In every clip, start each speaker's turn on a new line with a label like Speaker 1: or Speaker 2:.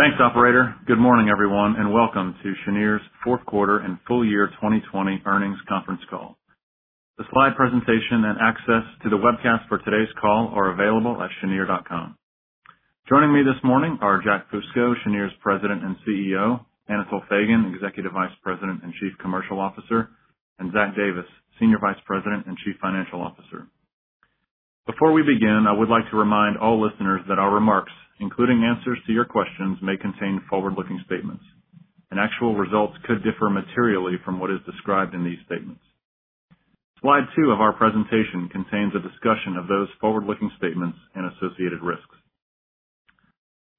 Speaker 1: Thanks, operator. Good morning, everyone, welcome to Cheniere's fourth quarter and full year 2020 earnings conference call. The slide presentation and access to the webcast for today's call are available at cheniere.com. Joining me this morning are Jack Fusco, Cheniere's President and CEO, Anatol Feygin, Executive Vice President and Chief Commercial Officer, and Zach Davis, Senior Vice President and Chief Financial Officer. Before we begin, I would like to remind all listeners that our remarks, including answers to your questions, may contain forward-looking statements, and actual results could differ materially from what is described in these statements. Slide two of our presentation contains a discussion of those forward-looking statements and associated risks.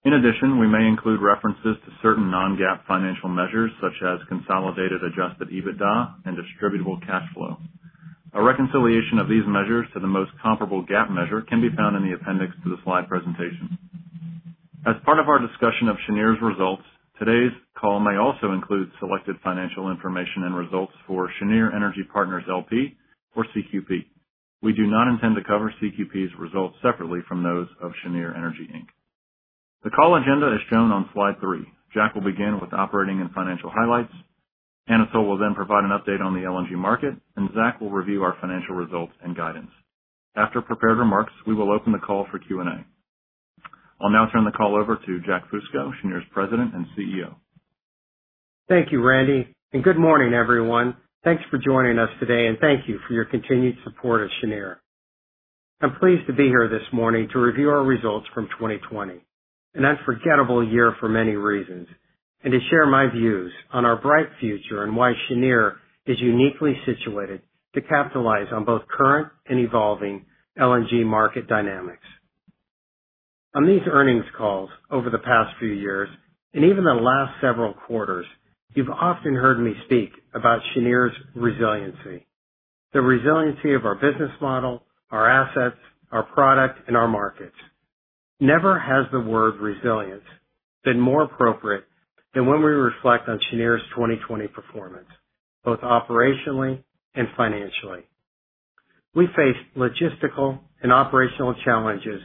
Speaker 1: In addition, we may include references to certain non-GAAP financial measures, such as Consolidated Adjusted EBITDA and Distributable Cash Flow. A reconciliation of these measures to the most comparable GAAP measure can be found in the appendix to the slide presentation. As part of our discussion of Cheniere's results, today's call may also include selected financial information and results for Cheniere Energy Partners, L.P. or CQP. We do not intend to cover CQP's results separately from those of Cheniere Energy, Inc. The call agenda is shown on slide three. Jack will begin with operating and financial highlights. Anatol will then provide an update on the LNG market, and Zach will review our financial results and guidance. After prepared remarks, we will open the call for Q&A. I'll now turn the call over to Jack Fusco, Cheniere's President and CEO.
Speaker 2: Thank you, Randy, and good morning, everyone. Thanks for joining us today, and thank you for your continued support of Cheniere. I'm pleased to be here this morning to review our results from 2020, an unforgettable year for many reasons, and to share my views on our bright future and why Cheniere is uniquely situated to capitalize on both current and evolving LNG market dynamics. On these earnings calls over the past few years, and even the last several quarters, you've often heard me speak about Cheniere's resiliency, the resiliency of our business model, our assets, our product, and our markets. Never has the word resilience been more appropriate than when we reflect on Cheniere's 2020 performance, both operationally and financially. We faced logistical and operational challenges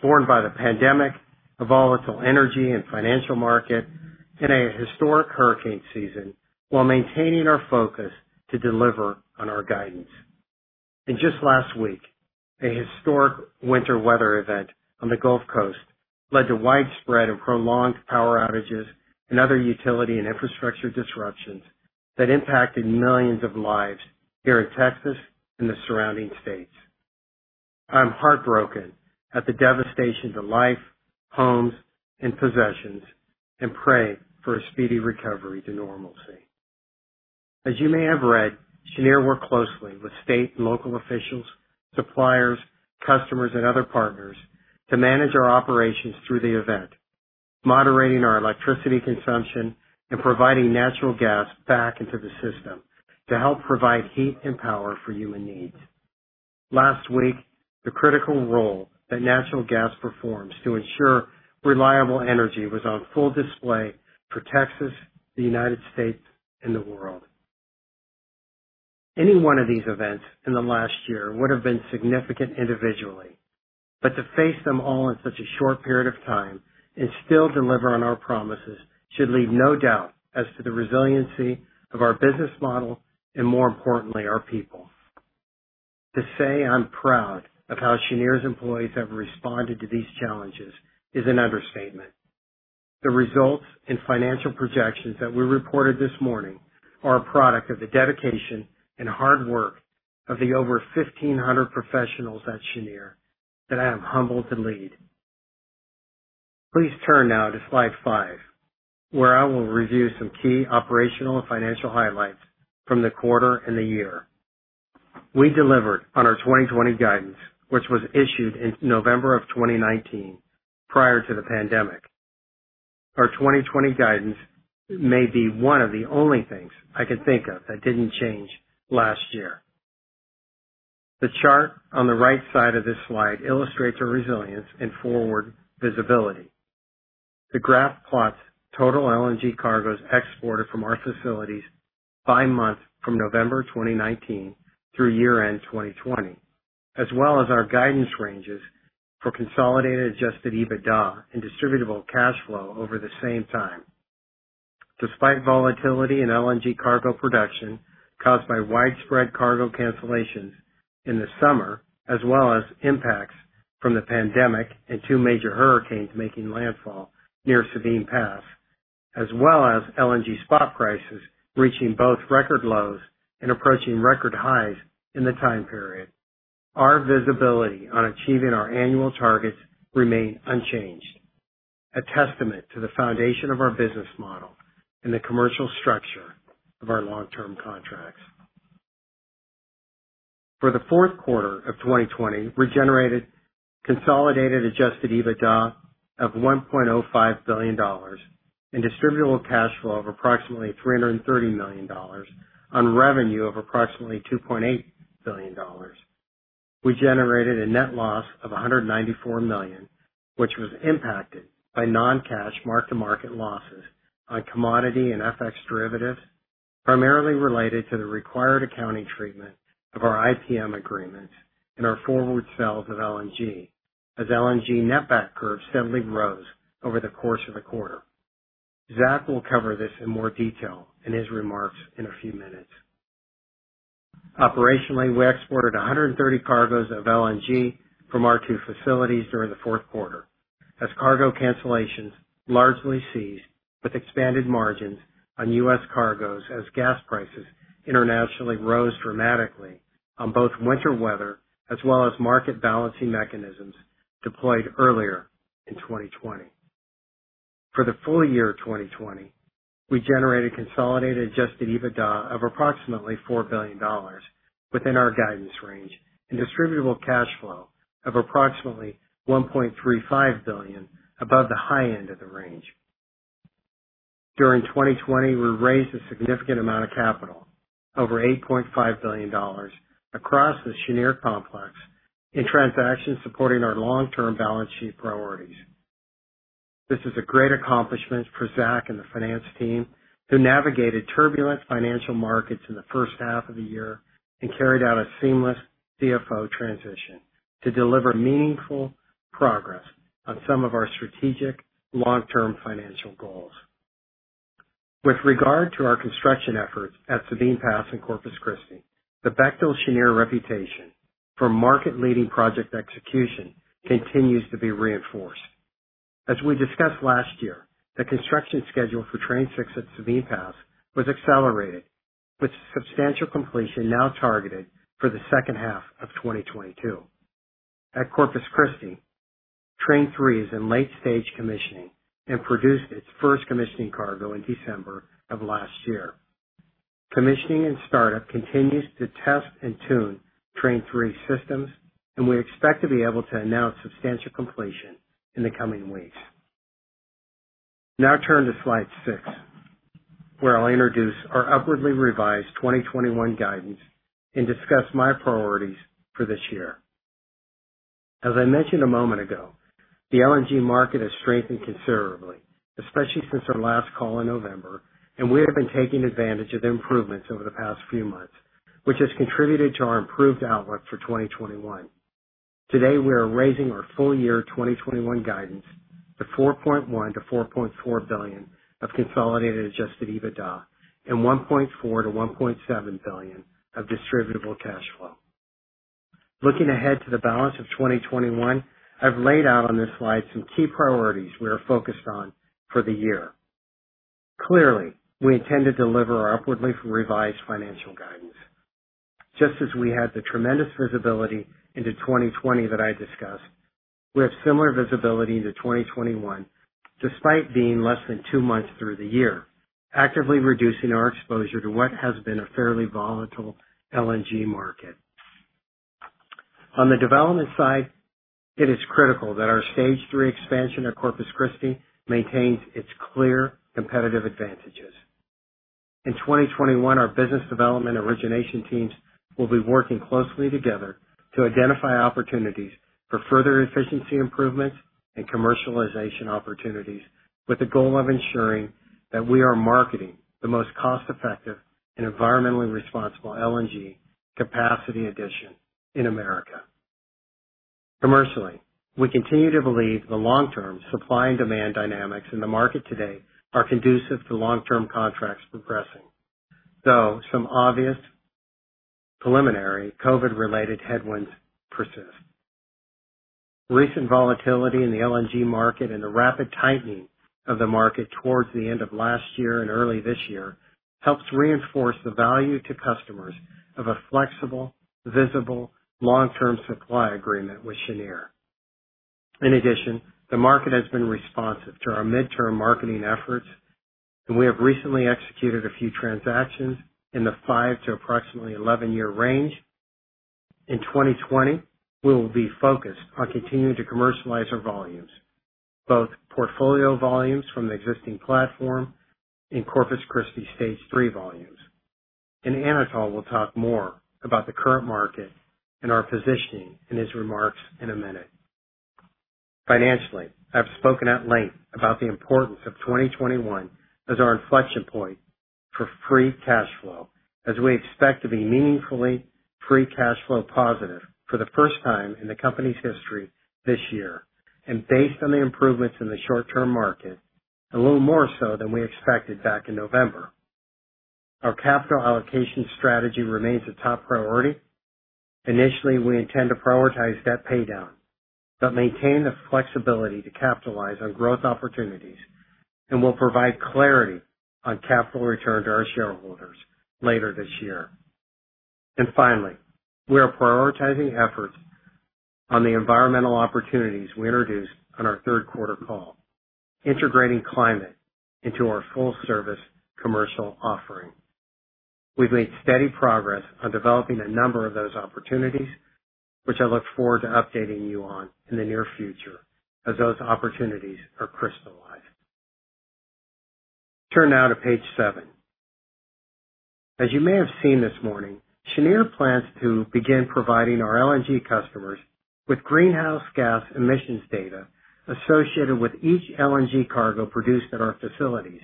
Speaker 2: formed by the pandemic, a volatile energy and financial market, and a historic hurricane season while maintaining our focus to deliver on our guidance. Just last week, a historic winter weather event on the Gulf Coast led to widespread and prolonged power outages and other utility and infrastructure disruptions that impacted millions of lives here in Texas and the surrounding states. I am heartbroken at the devastation to life, homes, and possessions, and pray for a speedy recovery to normalcy. As you may have read, Cheniere worked closely with state and local officials, suppliers, customers, and other partners to manage our operations through the event, moderating our electricity consumption and providing natural gas back into the system to help provide heat and power for human needs. Last week, the critical role that natural gas performs to ensure reliable energy was on full display for Texas, the United States, and the world. Any one of these events in the last year would have been significant individually, but to face them all in such a short period of time and still deliver on our promises should leave no doubt as to the resiliency of our business model and more importantly, our people. To say I'm proud of how Cheniere's employees have responded to these challenges is an understatement. The results and financial projections that we reported this morning are a product of the dedication and hard work of the over 1,500 professionals at Cheniere that I am humbled to lead. Please turn now to slide five, where I will review some key operational and financial highlights from the quarter and the year. We delivered on our 2020 guidance, which was issued in November of 2019 prior to the pandemic. Our 2020 guidance may be one of the only things I can think of that didn't change last year. The chart on the right side of this slide illustrates our resilience and forward visibility. The graph plots total LNG cargoes exported from our facilities by month from November 2019 through year-end 2020, as well as our guidance ranges for Consolidated Adjusted EBITDA and Distributable Cash Flow over the same time. Despite volatility in LNG cargo production caused by widespread cargo cancellations in the summer, as well as impacts from the pandemic and two major hurricanes making landfall near Sabine Pass, as well as LNG spot prices reaching both record lows and approaching record highs in the time period, our visibility on achieving our annual targets remain unchanged, a testament to the foundation of our business model and the commercial structure of our long-term contracts. For the fourth quarter of 2020, we generated Consolidated Adjusted EBITDA of $1.05 billion and Distributable Cash Flow of approximately $330 million on revenue of approximately $2.8 billion. We generated a net loss of $194 million, which was impacted by non-cash mark-to-market losses on commodity and FX derivatives. Primarily related to the required accounting treatment of our IPM agreements and our forward sales of LNG as LNG netback curves steadily rose over the course of the quarter. Zach will cover this in more detail in his remarks in a few minutes. Operationally, we exported 130 cargos of LNG from our two facilities during the fourth quarter as cargo cancellations largely ceased with expanded margins on U.S. cargos as gas prices internationally rose dramatically on both winter weather as well as market balancing mechanisms deployed earlier in 2020. For the full year of 2020, we generated Consolidated Adjusted EBITDA of approximately $4 billion within our guidance range and Distributable Cash Flow of approximately $1.35 billion above the high end of the range. During 2020, we raised a significant amount of capital, over $8.5 billion, across the Cheniere complex in transactions supporting our long-term balance sheet priorities. This is a great accomplishment for Zach and the finance team, who navigated turbulent financial markets in the first half of the year and carried out a seamless CFO transition to deliver meaningful progress on some of our strategic long-term financial goals. With regard to our construction efforts at Sabine Pass and Corpus Christi, the Bechtel Cheniere reputation for market-leading project execution continues to be reinforced. As we discussed last year, the construction schedule for Train 6 at Sabine Pass was accelerated, with substantial completion now targeted for the second half of 2022. At Corpus Christi, Train 3 is in late-stage commissioning and produced its first commissioning cargo in December of last year. Commissioning and startup continues to test and tune Train 3 systems, and we expect to be able to announce substantial completion in the coming weeks. Now turn to slide six, where I'll introduce our upwardly revised 2021 guidance and discuss my priorities for this year. As I mentioned a moment ago, the LNG market has strengthened considerably, especially since our last call in November, and we have been taking advantage of the improvements over the past few months, which has contributed to our improved outlook for 2021. Today, we are raising our full-year 2021 guidance to $4.1 billion-$4.4 billion of Consolidated Adjusted EBITDA and $1.4 billion-$1.7 billion of Distributable Cash Flow. Looking ahead to the balance of 2021, I've laid out on this slide some key priorities we are focused on for the year. Clearly, we intend to deliver our upwardly revised financial guidance. Just as we had the tremendous visibility into 2020 that I discussed, we have similar visibility into 2021, despite being less than two months through the year, actively reducing our exposure to what has been a fairly volatile LNG market. On the development side, it is critical that our Stage 3 expansion at Corpus Christi maintains its clear competitive advantages. In 2021, our business development origination teams will be working closely together to identify opportunities for further efficiency improvements and commercialization opportunities with the goal of ensuring that we are marketing the most cost-effective and environmentally responsible LNG capacity addition in America. Commercially, we continue to believe the long-term supply and demand dynamics in the market today are conducive to long-term contracts progressing. Though some obvious preliminary COVID-related headwinds persist. Recent volatility in the LNG market and the rapid tightening of the market towards the end of last year and early this year helps reinforce the value to customers of a flexible, visible, long-term supply agreement with Cheniere. In addition, the market has been responsive to our mid-term marketing efforts, and we have recently executed a few transactions in the five to approximately 11-year range. In 2020, we will be focused on continuing to commercialize our volumes, both portfolio volumes from the existing platform and Corpus Christi Stage 3 volumes. Anatol will talk more about the current market and our positioning in his remarks in a minute. Financially, I've spoken at length about the importance of 2021 as our inflection point for free cash flow as we expect to be meaningfully free cash flow positive for the first time in the company's history this year. Based on the improvements in the short-term market, a little more so than we expected back in November. Our capital allocation strategy remains a top priority. Initially, we intend to prioritize debt paydown, but maintain the flexibility to capitalize on growth opportunities and will provide clarity on capital return to our shareholders later this year. Finally, we are prioritizing efforts on the environmental opportunities we introduced on our third-quarter call, integrating climate into our full-service commercial offering. We've made steady progress on developing a number of those opportunities, which I look forward to updating you on in the near future as those opportunities are crystallized. Turn now to page seven. As you may have seen this morning, Cheniere plans to begin providing our LNG customers with greenhouse gas emissions data associated with each LNG cargo produced at our facilities,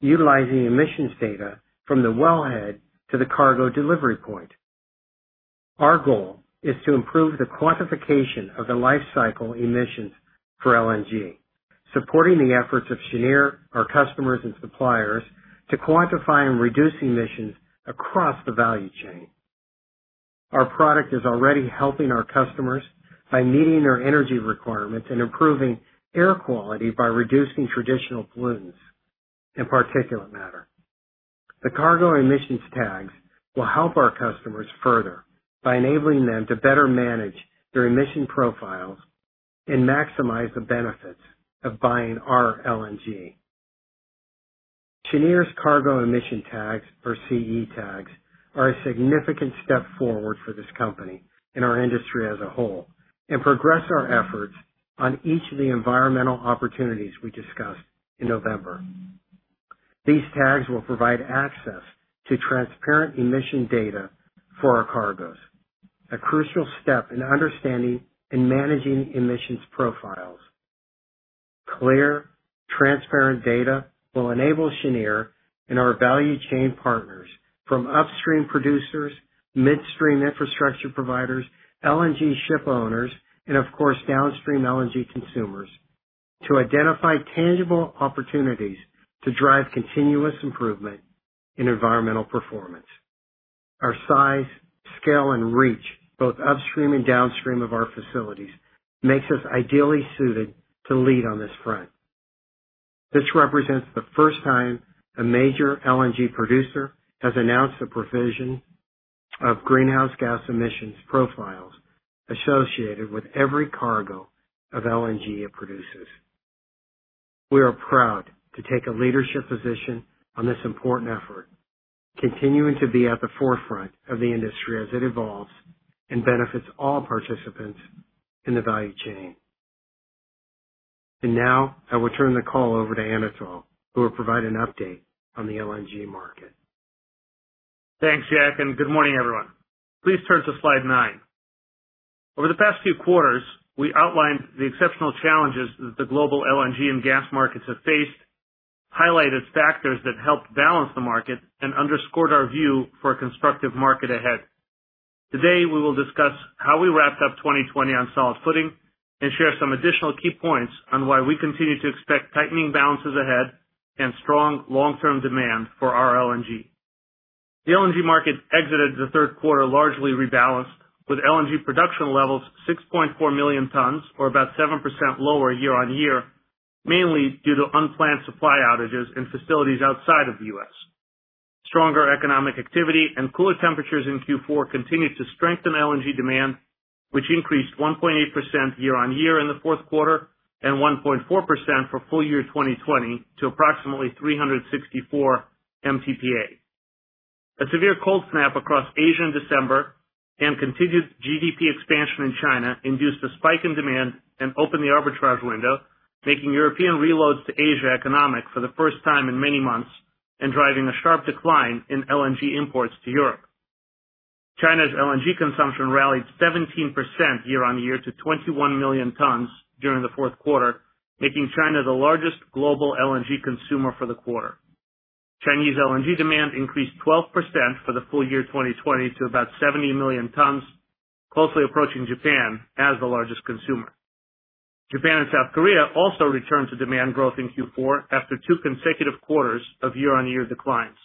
Speaker 2: utilizing emissions data from the wellhead to the cargo delivery point. Our goal is to improve the quantification of the life cycle emissions for LNG, supporting the efforts of Cheniere, our customers, and suppliers to quantify and reduce emissions across the value chain. Our product is already helping our customers by meeting their energy requirements and improving air quality by reducing traditional pollutants and particulate matter. The Cargo Emissions Tags will help our customers further by enabling them to better manage their emission profiles and maximize the benefits of buying our LNG. Cheniere's Cargo Emissions Tags or CE tags are a significant step forward for this company and our industry as a whole, and progress our efforts on each of the environmental opportunities we discussed in November. These tags will provide access to transparent emissions data for our cargoes, a crucial step in understanding and managing emissions profiles. Clear, transparent data will enable Cheniere and our value chain partners from upstream producers, midstream infrastructure providers, LNG ship owners, and of course, downstream LNG consumers to identify tangible opportunities to drive continuous improvement in environmental performance. Our size, scale, and reach, both upstream and downstream of our facilities, makes us ideally suited to lead on this front. This represents the first time a major LNG producer has announced the provision of greenhouse gas emissions profiles associated with every cargo of LNG it produces. We are proud to take a leadership position on this important effort, continuing to be at the forefront of the industry as it evolves and benefits all participants in the value chain. Now I will turn the call over to Anatol, who will provide an update on the LNG market.
Speaker 3: Thanks, Jack, good morning, everyone. Please turn to slide nine. Over the past few quarters, we outlined the exceptional challenges that the global LNG and gas markets have faced, highlighted factors that helped balance the market, and underscored our view for a constructive market ahead. Today, we will discuss how we wrapped up 2020 on solid footing and share some additional key points on why we continue to expect tightening balances ahead and strong long-term demand for our LNG. The LNG market exited the third quarter largely rebalanced, with LNG production levels 6.4 million tons, or about 7% lower year-over-year, mainly due to unplanned supply outages in facilities outside of the U.S. Stronger economic activity and cooler temperatures in Q4 continued to strengthen LNG demand, which increased 1.8% year-on-year in the fourth quarter and 1.4% for full year 2020 to approximately 364 MTPA. A severe cold snap across Asia in December and continued GDP expansion in China induced a spike in demand and opened the arbitrage window, making European reloads to Asia economic for the first time in many months and driving a sharp decline in LNG imports to Europe. China's LNG consumption rallied 17% year-on-year to 21 million tons during the fourth quarter, making China the largest global LNG consumer for the quarter. Chinese LNG demand increased 12% for the full year 2020 to about 70 million tons, closely approaching Japan as the largest consumer. Japan and South Korea also returned to demand growth in Q4 after two consecutive quarters of year-on-year declines.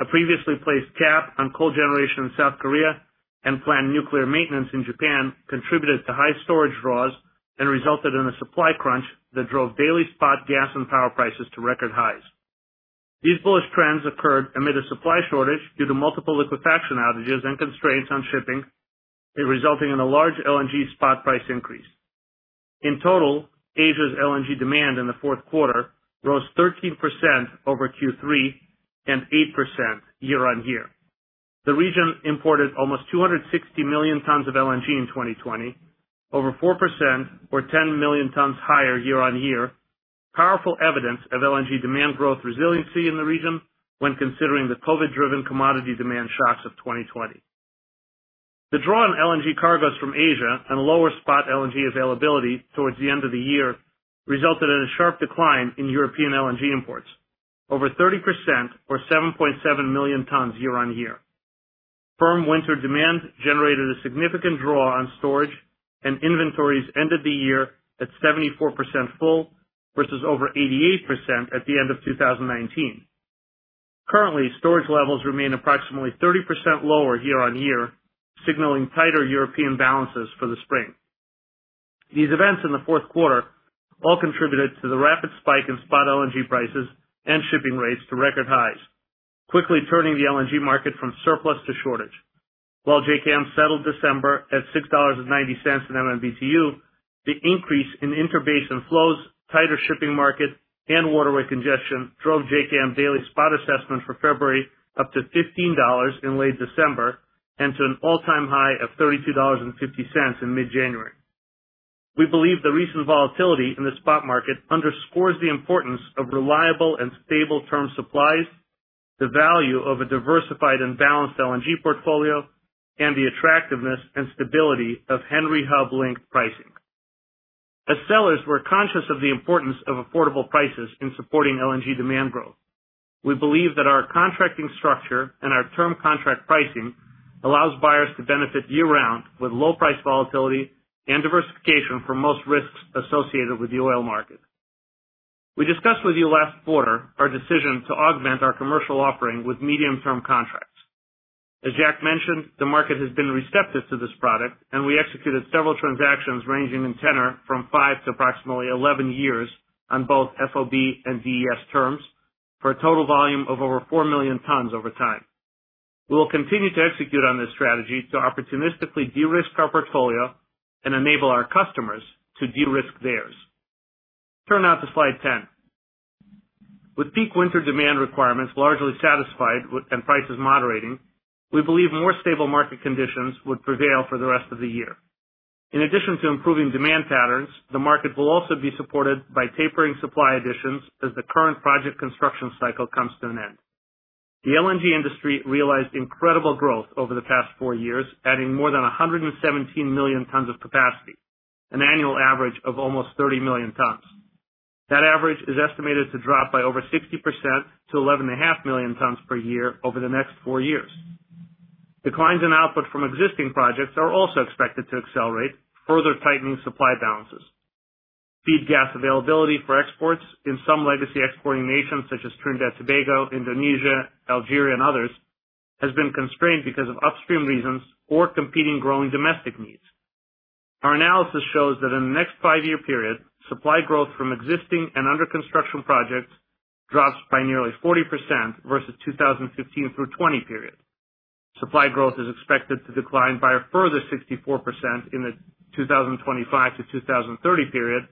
Speaker 3: A previously placed cap on coal generation in South Korea and planned nuclear maintenance in Japan contributed to high storage draws and resulted in a supply crunch that drove daily spot gas and power prices to record highs. These bullish trends occurred amid a supply shortage due to multiple liquefaction outages and constraints on shipping, resulting in a large LNG spot price increase. In total, Asia's LNG demand in the fourth quarter rose 13% over Q3 and 8% year-on-year. The region imported almost 260 million tons of LNG in 2020, over 4% or 10 million tons higher year-on-year. Powerful evidence of LNG demand growth resiliency in the region when considering the COVID-driven commodity demand shocks of 2020. The draw on LNG cargoes from Asia and lower spot LNG availability towards the end of the year resulted in a sharp decline in European LNG imports, over 30% or 7.7 million tons year-on-year. Firm winter demand generated a significant draw on storage, and inventories ended the year at 74% full versus over 88% at the end of 2019. Currently, storage levels remain approximately 30% lower year-on-year, signaling tighter European balances for the spring. These events in the fourth quarter all contributed to the rapid spike in spot LNG prices and shipping rates to record highs, quickly turning the LNG market from surplus to shortage. While JKM settled December at $6.90 in MMBtu, the increase in interbasin flows, tighter shipping market, and waterway congestion drove JKM daily spot assessment for February up to $15 in late December and to an all-time high of $32.50 in mid-January. We believe the recent volatility in the spot market underscores the importance of reliable and stable term supplies, the value of a diversified and balanced LNG portfolio, and the attractiveness and stability of Henry Hub linked pricing. As sellers, we're conscious of the importance of affordable prices in supporting LNG demand growth. We believe that our contracting structure and our term contract pricing allows buyers to benefit year-round with low price volatility and diversification from most risks associated with the oil market. We discussed with you last quarter our decision to augment our commercial offering with medium-term contracts. As Jack mentioned, the market has been receptive to this product, we executed several transactions ranging in tenor from five to approximately 11 years on both FOB and DES terms for a total volume of over 4 million tons over time. We will continue to execute on this strategy to opportunistically de-risk our portfolio and enable our customers to de-risk theirs. Turn now to slide 10. With peak winter demand requirements largely satisfied and prices moderating, we believe more stable market conditions would prevail for the rest of the year. In addition to improving demand patterns, the market will also be supported by tapering supply additions as the current project construction cycle comes to an end. The LNG industry realized incredible growth over the past four years, adding more than 117 million tons of capacity, an annual average of almost 30 million tons. That average is estimated to drop by over 60% to 11.5 million tons per year over the next four years. Declines in output from existing projects are also expected to accelerate, further tightening supply balances. Feed gas availability for exports in some legacy exporting nations such as Trinidad Tobago, Indonesia, Algeria, and others, has been constrained because of upstream reasons or competing growing domestic needs. Our analysis shows that in the next five-year period, supply growth from existing and under-construction projects drops by nearly 40% versus 2015 through 2020 period. Supply growth is expected to decline by a further 64% in the 2025 to 2030 period.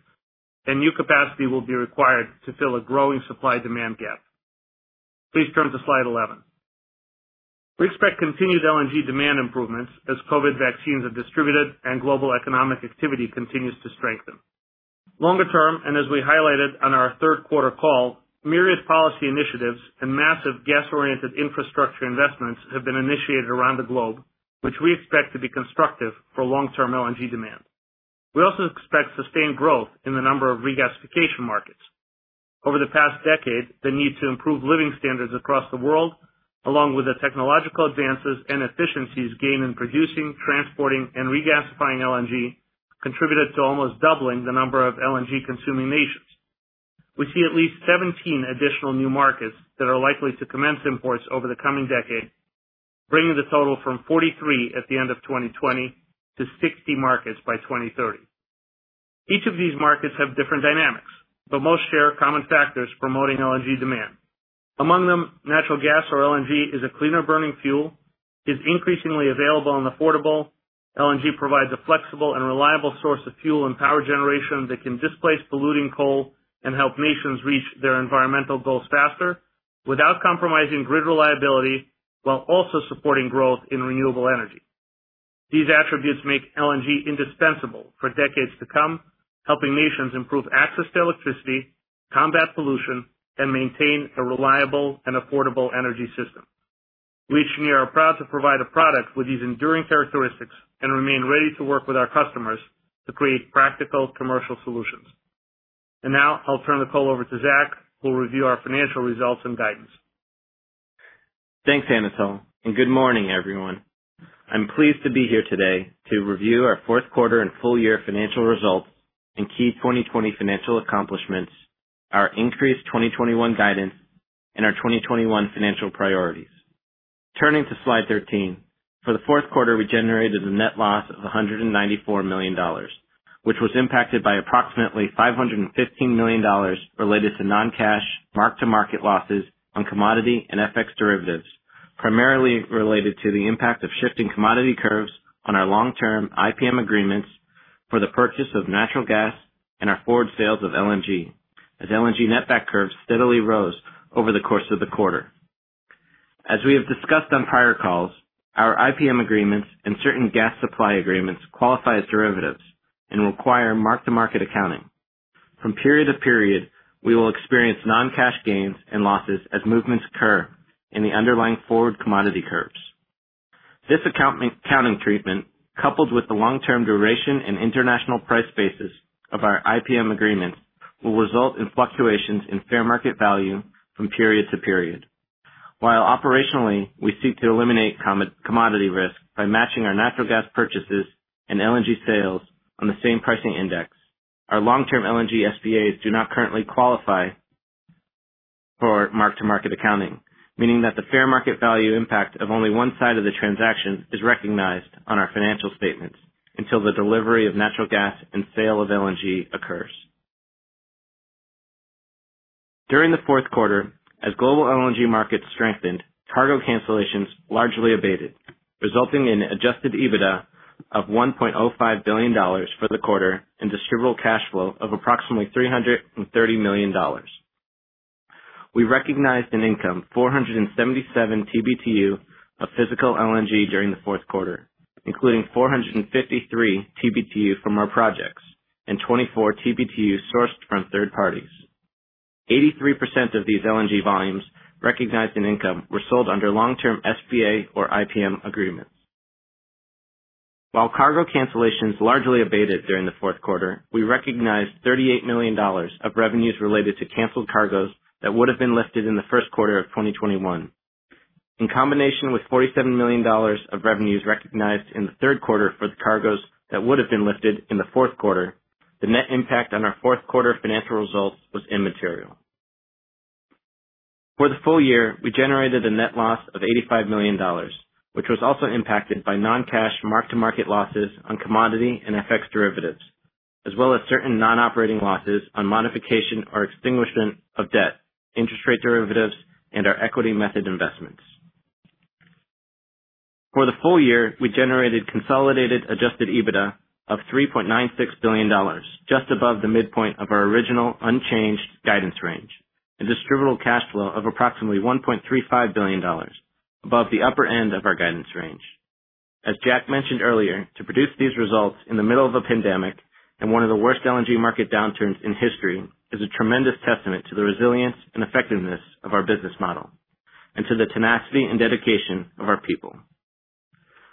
Speaker 3: New capacity will be required to fill a growing supply-demand gap. Please turn to slide 11. We expect continued LNG demand improvements as COVID vaccines are distributed and global economic activity continues to strengthen. Longer term, as we highlighted on our third quarter call, myriad policy initiatives and massive gas-oriented infrastructure investments have been initiated around the globe, which we expect to be constructive for long-term LNG demand. We also expect sustained growth in the number of regasification markets. Over the past decade, the need to improve living standards across the world, along with the technological advances and efficiencies gained in producing, transporting, and regasifying LNG, contributed to almost doubling the number of LNG-consuming nations. We see at least 17 additional new markets that are likely to commence imports over the coming decade, bringing the total from 43 at the end of 2020 to 60 markets by 2030. Each of these markets have different dynamics, most share common factors promoting LNG demand. Among them, natural gas or LNG is a cleaner-burning fuel, is increasingly available and affordable. LNG provides a flexible and reliable source of fuel and power generation that can displace polluting coal and help nations reach their environmental goals faster without compromising grid reliability while also supporting growth in renewable energy. These attributes make LNG indispensable for decades to come, helping nations improve access to electricity, combat pollution, and maintain a reliable and affordable energy system. At Cheniere, we are proud to provide a product with these enduring characteristics and remain ready to work with our customers to create practical commercial solutions. Now I'll turn the call over to Zach, who will review our financial results and guidance.
Speaker 4: Thanks, Anatol, and good morning, everyone. I am pleased to be here today to review our fourth quarter and full year financial results and key 2020 financial accomplishments, our increased 2021 guidance, and our 2021 financial priorities. Turning to slide 13, for the fourth quarter, we generated a net loss of $194 million, which was impacted by approximately $515 million related to non-cash mark-to-market losses on commodity and FX derivatives, primarily related to the impact of shifting commodity curves on our long-term IPM agreements for the purchase of natural gas and our forward sales of LNG, as LNG net-back curves steadily rose over the course of the quarter. As we have discussed on prior calls, our IPM agreements and certain gas supply agreements qualify as derivatives and require mark-to-market accounting. From period to period, we will experience non-cash gains and losses as movements occur in the underlying forward commodity curves. This accounting treatment, coupled with the long-term duration and international price basis of our IPM agreements, will result in fluctuations in fair market value from period to period. While operationally, we seek to eliminate commodity risk by matching our natural gas purchases and LNG sales on the same pricing index. Our long-term LNG SPAs do not currently qualify for mark-to-market accounting, meaning that the fair market value impact of only one side of the transaction is recognized on our financial statements until the delivery of natural gas and sale of LNG occurs. During the fourth quarter, as global LNG markets strengthened, cargo cancellations largely abated, resulting in Adjusted EBITDA of $1.05 billion for the quarter and Distributable Cash Flow of approximately $330 million. We recognized in income 477 TBtu of physical LNG during the fourth quarter, including 453 TBtu from our projects and 24 TBtu sourced from third parties. 83% of these LNG volumes recognized in income were sold under long-term SPA or IPM agreements. While cargo cancellations largely abated during the fourth quarter, we recognized $38 million of revenues related to canceled cargoes that would have been lifted in the first quarter of 2021. In combination with $47 million of revenues recognized in the third quarter for the cargoes that would have been lifted in the fourth quarter, the net impact on our fourth quarter financial results was immaterial. For the full year, we generated a net loss of $85 million, which was also impacted by non-cash mark-to-market losses on commodity and FX derivatives, as well as certain non-operating losses on modification or extinguishment of debt, interest rate derivatives, and our equity method investments. For the full year, we generated Consolidated Adjusted EBITDA of $3.96 billion, just above the midpoint of our original unchanged guidance range, and Distributable Cash Flow of approximately $1.35 billion, above the upper end of our guidance range. As Jack mentioned earlier, to produce these results in the middle of a pandemic and one of the worst LNG market downturns in history is a tremendous testament to the resilience and effectiveness of our business model and to the tenacity and dedication of our people.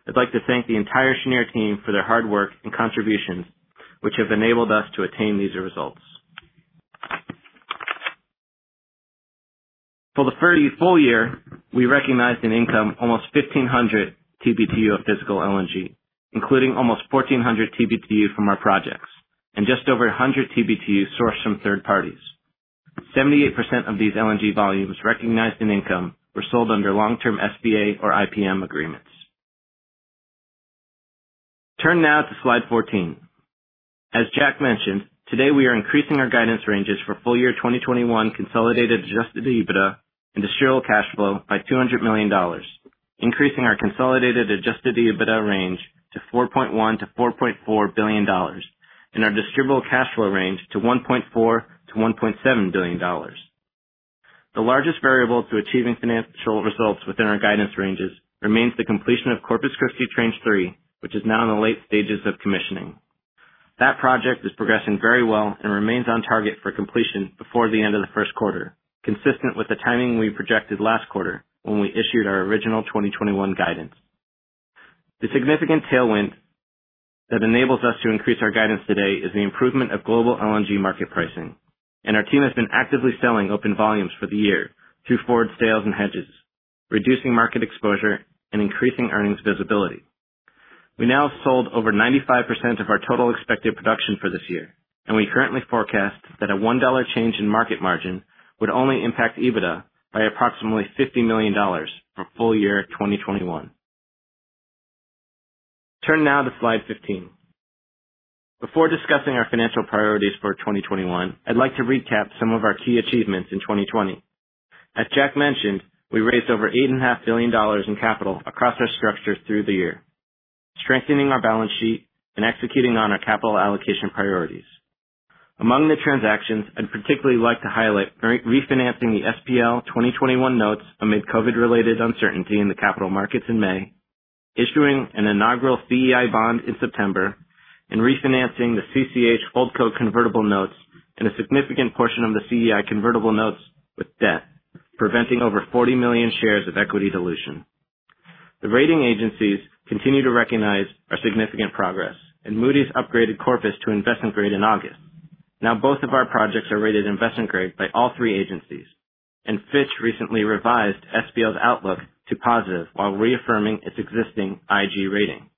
Speaker 4: I'd like to thank the entire Cheniere team for their hard work and contributions, which have enabled us to attain these results. For the full year, we recognized an income almost 1,500 TBtu of physical LNG, including almost 1,400 TBtu from our projects, and just over 100 TBtu sourced from third parties. 78% of these LNG volumes recognized in income were sold under long-term SPA or IPM agreements. Turn now to slide 14. As Jack mentioned, today we are increasing our guidance ranges for full year 2021 Consolidated Adjusted EBITDA and Distributable Cash Flow by $200 million, increasing our Consolidated Adjusted EBITDA range to $4.1 billion-$4.4 billion and our Distributable Cash Flow range to $1.4 billion-$1.7 billion. The largest variable to achieving financial results within our guidance ranges remains the completion of Corpus Christi Train 3, which is now in the late stages of commissioning. That project is progressing very well and remains on target for completion before the end of the first quarter, consistent with the timing we projected last quarter when we issued our original 2021 guidance. The significant tailwind that enables us to increase our guidance today is the improvement of global LNG market pricing. Our team has been actively selling open volumes for the year through forward sales and hedges, reducing market exposure and increasing earnings visibility. We now sold over 95% of our total expected production for this year. We currently forecast that a $1 change in market margin would only impact EBITDA by approximately $50 million for full year 2021. Turn now to slide 15. Before discussing our financial priorities for 2021, I'd like to recap some of our key achievements in 2020. As Jack mentioned, we raised over $8.5 billion in capital across our structure through the year, strengthening our balance sheet and executing on our capital allocation priorities. Among the transactions, I'd particularly like to highlight refinancing the SPL 2021 notes amid COVID-related uncertainty in the capital markets in May, issuing an inaugural CEI bond in September, and refinancing the CCH holdco convertible notes and a significant portion of the CEI convertible notes with debt, preventing over 40 million shares of equity dilution. The rating agencies continue to recognize our significant progress, and Moody's upgraded Corpus to investment grade in August. Now, both of our projects are rated investment grade by all three agencies, and Fitch recently revised SPL's outlook to positive while reaffirming its existing IG rating.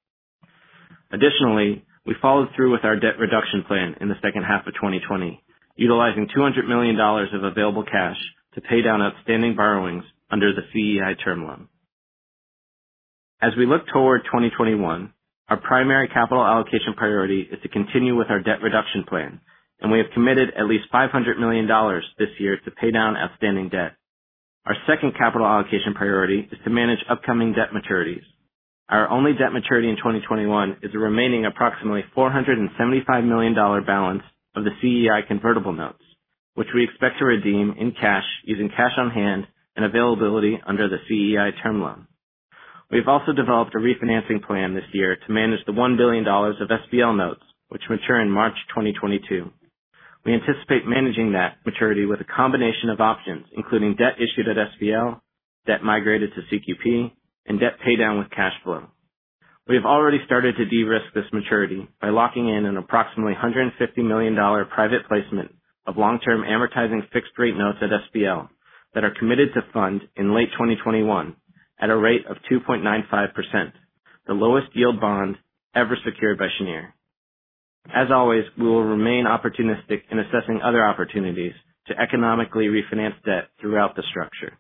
Speaker 4: Additionally, we followed through with our debt reduction plan in the second half of 2020, utilizing $200 million of available cash to pay down outstanding borrowings under the CEI term loan. As we look toward 2021, our primary capital allocation priority is to continue with our debt reduction plan, and we have committed at least $500 million this year to pay down outstanding debt. Our second capital allocation priority is to manage upcoming debt maturities. Our only debt maturity in 2021 is the remaining approximately $475 million balance of the CEI convertible notes, which we expect to redeem in cash using cash on hand and availability under the CEI term loan. We have also developed a refinancing plan this year to manage the $1 billion of SPL notes, which mature in March 2022. We anticipate managing that maturity with a combination of options, including debt issued at SPL, debt migrated to CQP, and debt pay down with cash flow. We have already started to de-risk this maturity by locking in an approximately $150 million private placement of long-term amortizing fixed-rate notes at SPL that are committed to fund in late 2021 at a rate of 2.95%, the lowest yield bond ever secured by Cheniere. As always, we will remain opportunistic in assessing other opportunities to economically refinance debt throughout the structure.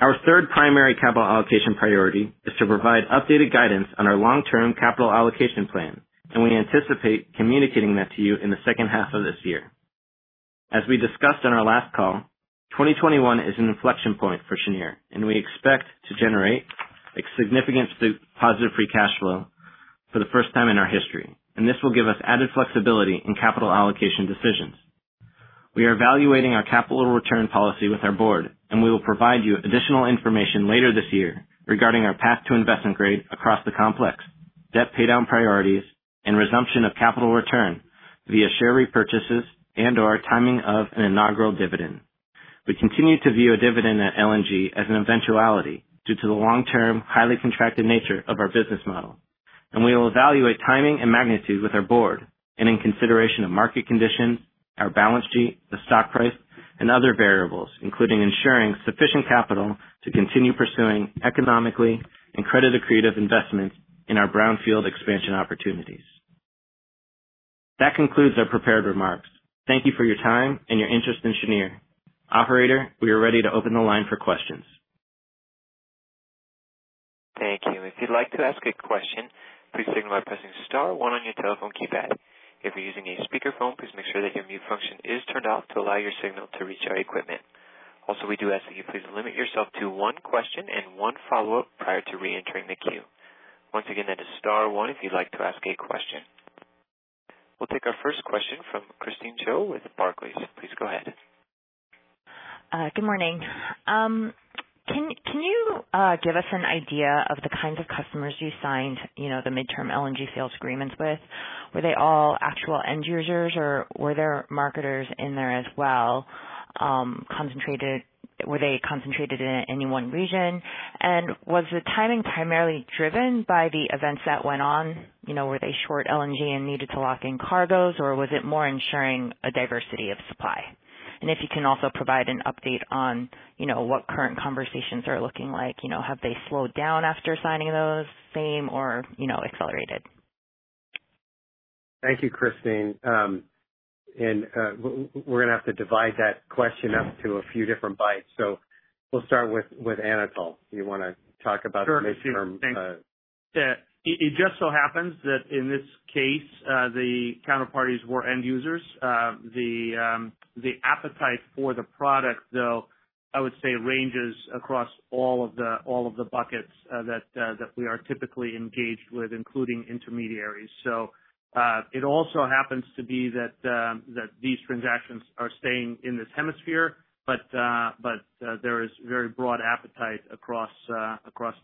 Speaker 4: Our third primary capital allocation priority is to provide updated guidance on our long-term capital allocation plan, and we anticipate communicating that to you in the second half of this year. As we discussed on our last call, 2021 is an inflection point for Cheniere, and we expect to generate a significant positive free cash flow for the first time in our history, and this will give us added flexibility in capital allocation decisions. We are evaluating our capital return policy with our board, and we will provide you additional information later this year regarding our path to investment grade across the complex, debt paydown priorities, and resumption of capital return via share repurchases and/or timing of an inaugural dividend. We continue to view a dividend at LNG as an eventuality due to the long-term, highly contracted nature of our business model, and we will evaluate timing and magnitude with our board and in consideration of market conditions, our balance sheet, the stock price, and other variables, including ensuring sufficient capital to continue pursuing economically and credit-accretive investments in our brownfield expansion opportunities. That concludes our prepared remarks. Thank you for your time and your interest in Cheniere. Operator, we are ready to open the line for questions.
Speaker 5: Thank you. If you'd like to ask a question, please signal by pressing star one on your telephone keypad. If you're using a speakerphone, please make sure that your mute function is turned off to allow your signal to reach our equipment. Also, we do ask that you please limit yourself to one question and one follow-up prior to reentering the queue. Once again, that is star one if you'd like to ask a question. We will take our first question from Christine Cho with Barclays. Please go ahead.
Speaker 6: Good morning. Can you give us an idea of the kinds of customers you signed the midterm LNG Sales Agreements with? Were they all actual end users, or were there marketers in there as well? Were they concentrated in any one region? Was the timing primarily driven by the events that went on? Were they short LNG and needed to lock in cargoes, or was it more ensuring a diversity of supply? If you can also provide an update on what current conversations are looking like. Have they slowed down after signing those, same, or accelerated?
Speaker 2: Thank you, Christine. We're going to have to divide that question up to a few different bites. We'll start with Anatol. You want to talk about midterm?
Speaker 3: Sure. It just so happens that in this case, the counterparties were end users. The appetite for the product, though, I would say ranges across all of the buckets that we are typically engaged with, including intermediaries. It also happens to be that these transactions are staying in this hemisphere, but there is very broad appetite across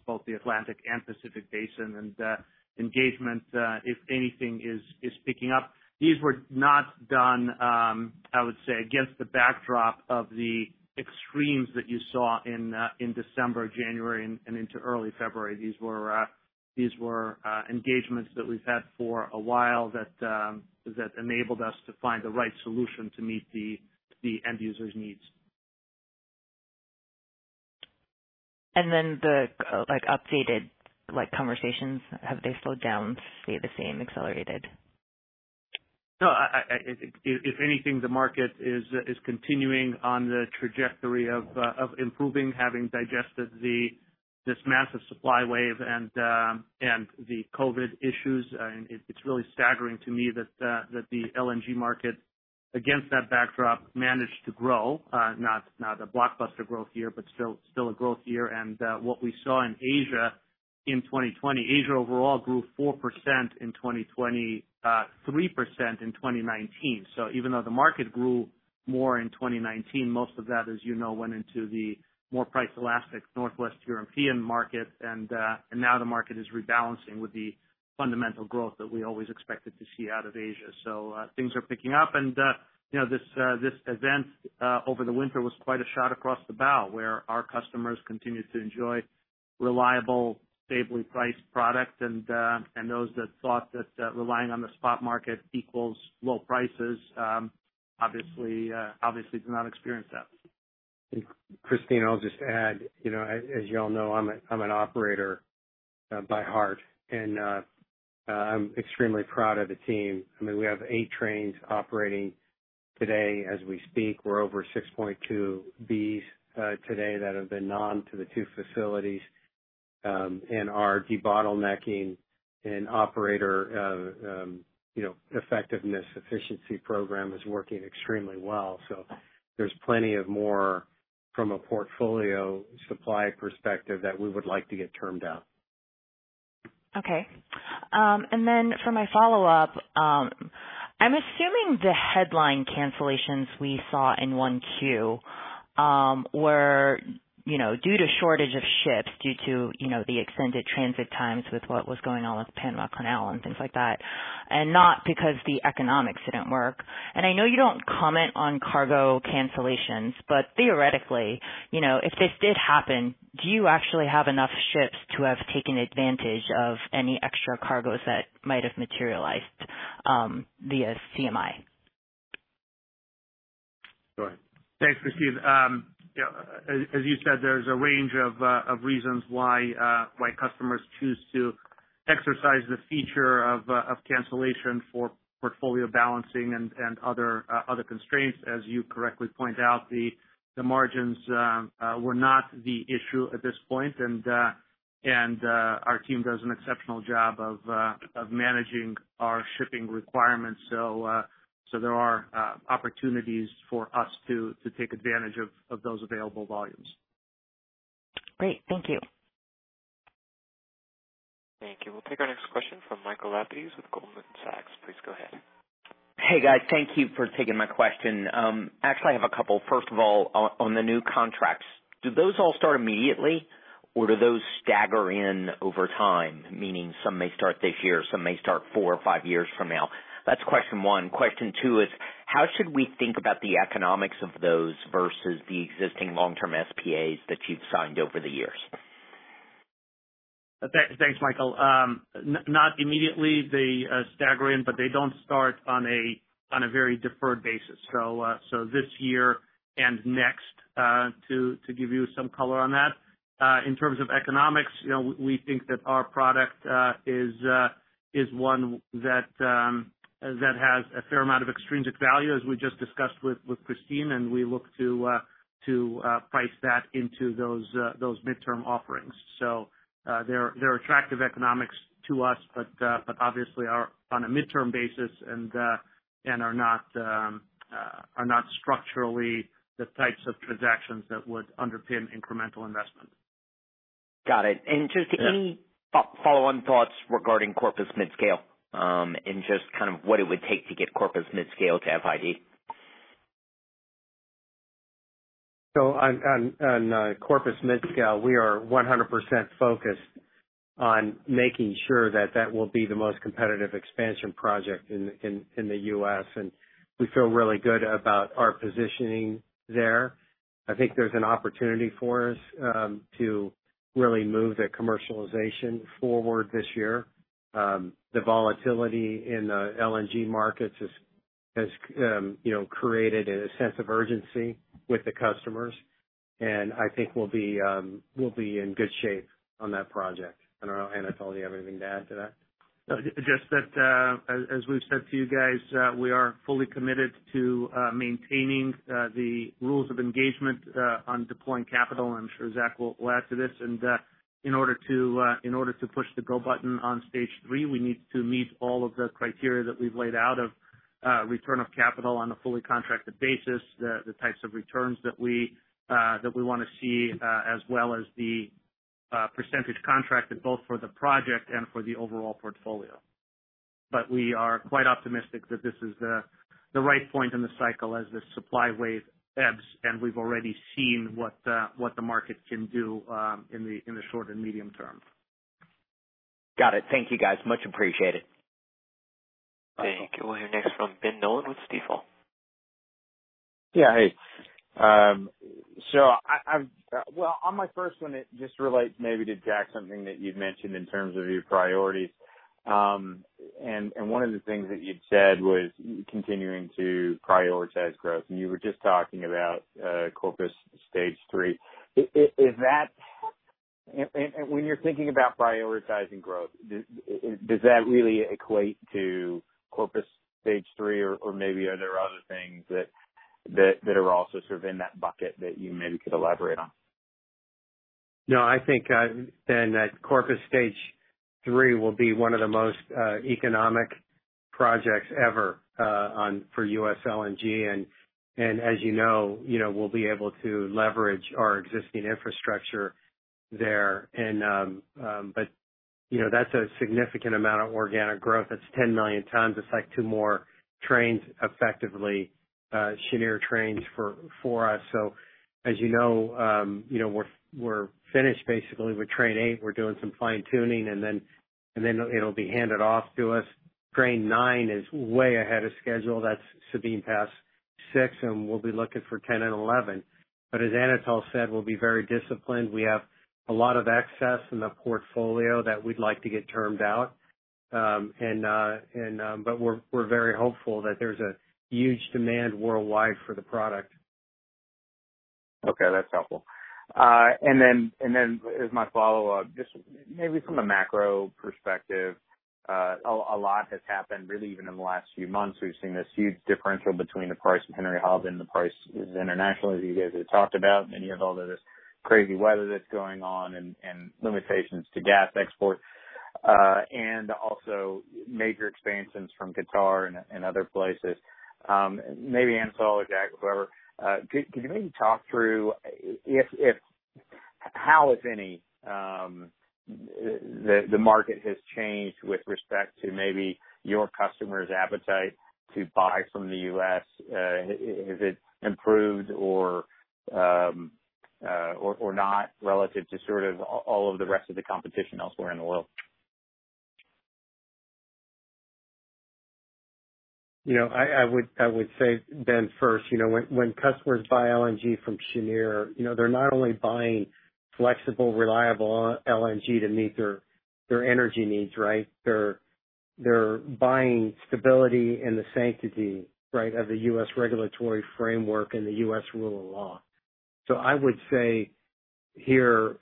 Speaker 3: both the Atlantic and Pacific Basin, and engagement, if anything, is picking up. These were not done, I would say, against the backdrop of the extremes that you saw in December, January, and into early February. These were engagements that we've had for a while that enabled us to find the right solution to meet the end user's needs.
Speaker 6: The updated conversations, have they slowed down, stayed the same, accelerated?
Speaker 3: No. If anything, the market is continuing on the trajectory of improving, having digested this massive supply wave and the COVID issues. It's really staggering to me that the LNG market, against that backdrop, managed to grow. Not a blockbuster growth year, but still a growth year. What we saw in Asia in 2020, Asia overall grew 4% in 2020, 3% in 2019. Even though the market grew more in 2019, most of that, as you know, went into the more price-elastic Northwest European market, and now the market is rebalancing with the fundamental growth that we always expected to see out of Asia. Things are picking up, and this event over the winter was quite a shot across the bow, where our customers continued to enjoy reliable, stably priced product. Those that thought that relying on the spot market equals low prices obviously did not experience that.
Speaker 2: Christine, I'll just add, as you all know, I'm an operator by heart, and I'm extremely proud of the team. We have eight trains operating today as we speak. We're over 6.2 Bs today that have been on to the two facilities, and our debottlenecking and operator effectiveness efficiency program is working extremely well. There's plenty of more from a portfolio supply perspective that we would like to get termed out.
Speaker 6: Okay. For my follow-up, I am assuming the headline cancellations we saw in 1Q were due to shortage of ships due to the extended transit times with what was going on with Panama Canal and things like that, and not because the economics didn't work. I know you don't comment on cargo cancellations. Theoretically, if this did happen, do you actually have enough ships to have taken advantage of any extra cargoes that might have materialized via CMI?
Speaker 2: Go ahead.
Speaker 3: Thanks, Christine. As you said, there's a range of reasons why customers choose to exercise the feature of cancellation for portfolio balancing and other constraints. As you correctly point out, the margins were not the issue at this point, and our team does an exceptional job of managing our shipping requirements. There are opportunities for us to take advantage of those available volumes.
Speaker 6: Great. Thank you.
Speaker 5: Thank you. We'll take our next question from Michael Lapides with Goldman Sachs. Please go ahead.
Speaker 7: Hey, guys. Thank you for taking my question. Actually, I have a couple. First of all, on the new contracts, do those all start immediately or do those stagger in over time? Meaning some may start this year, some may start four or five years from now. That's question one. Question two is how should we think about the economics of those versus the existing long-term SPAs that you've signed over the years?
Speaker 3: Thanks, Michael. Not immediately. They stagger in, but they don't start on a very deferred basis. This year and next, to give you some color on that. In terms of economics, we think that our product is one that has a fair amount of extrinsic value, as we just discussed with Christine, and we look to price that into those midterm offerings. They're attractive economics to us, but obviously are on a midterm basis and are not structurally the types of transactions that would underpin incremental investment.
Speaker 7: Got it. Just any follow-on thoughts regarding Corpus midscale, and just kind of what it would take to get Corpus midscale to FID?
Speaker 2: On Corpus midscale, we are 100% focused on making sure that that will be the most competitive expansion project in the U.S. We feel really good about our positioning there. I think there's an opportunity for us to really move the commercialization forward this year. The volatility in the LNG markets has created a sense of urgency with the customers, and I think we'll be in good shape on that project. I don't know, Anatol, do you have anything to add to that?
Speaker 3: No. Just that as we've said to you guys, we are fully committed to maintaining the rules of engagement on deploying capital, and I'm sure Zach will add to this. In order to push the go button on Stage 3, we need to meet all of the criteria that we've laid out of return of capital on a fully contracted basis. The types of returns that we want to see as well as the percentage contracted both for the project and for the overall portfolio. We are quite optimistic that this is the right point in the cycle as the supply wave ebbs. We've already seen what the market can do in the short and medium term.
Speaker 7: Got it. Thank you guys. Much appreciated.
Speaker 5: Thank you. We'll hear next from Ben Nolan with Stifel.
Speaker 8: Yeah, hey. Well, on my first one, it just relates maybe to Jack, something that you'd mentioned in terms of your priorities. One of the things that you'd said was continuing to prioritize growth, and you were just talking about Corpus Stage 3. When you're thinking about prioritizing growth, does that really equate to Corpus Stage 3, or maybe are there other things that are also sort of in that bucket that you maybe could elaborate on?
Speaker 2: No, I think, Ben, that Corpus Stage 3 will be one of the most economic projects ever for U.S. LNG. As you know, we'll be able to leverage our existing infrastructure there. That's a significant amount of organic growth. That's 10 million tons. It's like two more trains effectively, Cheniere trains for us. As you know, we're finished basically with Train 8. We're doing some fine-tuning. Then it'll be handed off to us. Train 9 is way ahead of schedule. That's Sabine Pass 6. We'll be looking for 10 and 11. As Anatol said, we'll be very disciplined. We have a lot of excess in the portfolio that we'd like to get termed out. We're very hopeful that there's a huge demand worldwide for the product.
Speaker 8: Okay, that's helpful. As my follow-up, just maybe from a macro perspective, a lot has happened really even in the last few months. We've seen this huge differential between the price of Henry Hub and the price internationally. You guys have talked about many of all the crazy weather that's going on and limitations to gas exports, and also major expansions from Qatar and other places. Maybe Anatol or Jack, whoever, could you maybe talk through how, if any, the market has changed with respect to maybe your customers' appetite to buy from the U.S.? Has it improved or not relative to sort of all of the rest of the competition elsewhere in the world?
Speaker 2: I would say, Ben, first when customers buy LNG from Cheniere, they're not only buying flexible, reliable LNG to meet their energy needs, right? They're buying stability and the sanctity, right, of the U.S. regulatory framework and the U.S. rule of law. I would say here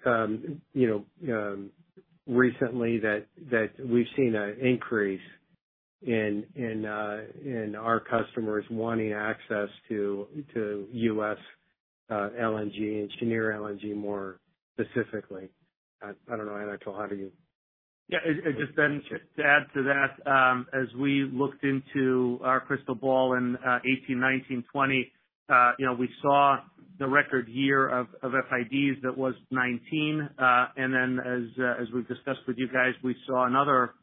Speaker 2: recently that we've seen an increase in our customers wanting access to U.S. LNG and Cheniere LNG more specifically. I don't know, Anatol.
Speaker 3: Yeah. Just to add to that, as we looked into our crystal ball in 2018, 2019, 2020, we saw the record year of FIDs that was 2019. As we've discussed with you guys, we saw another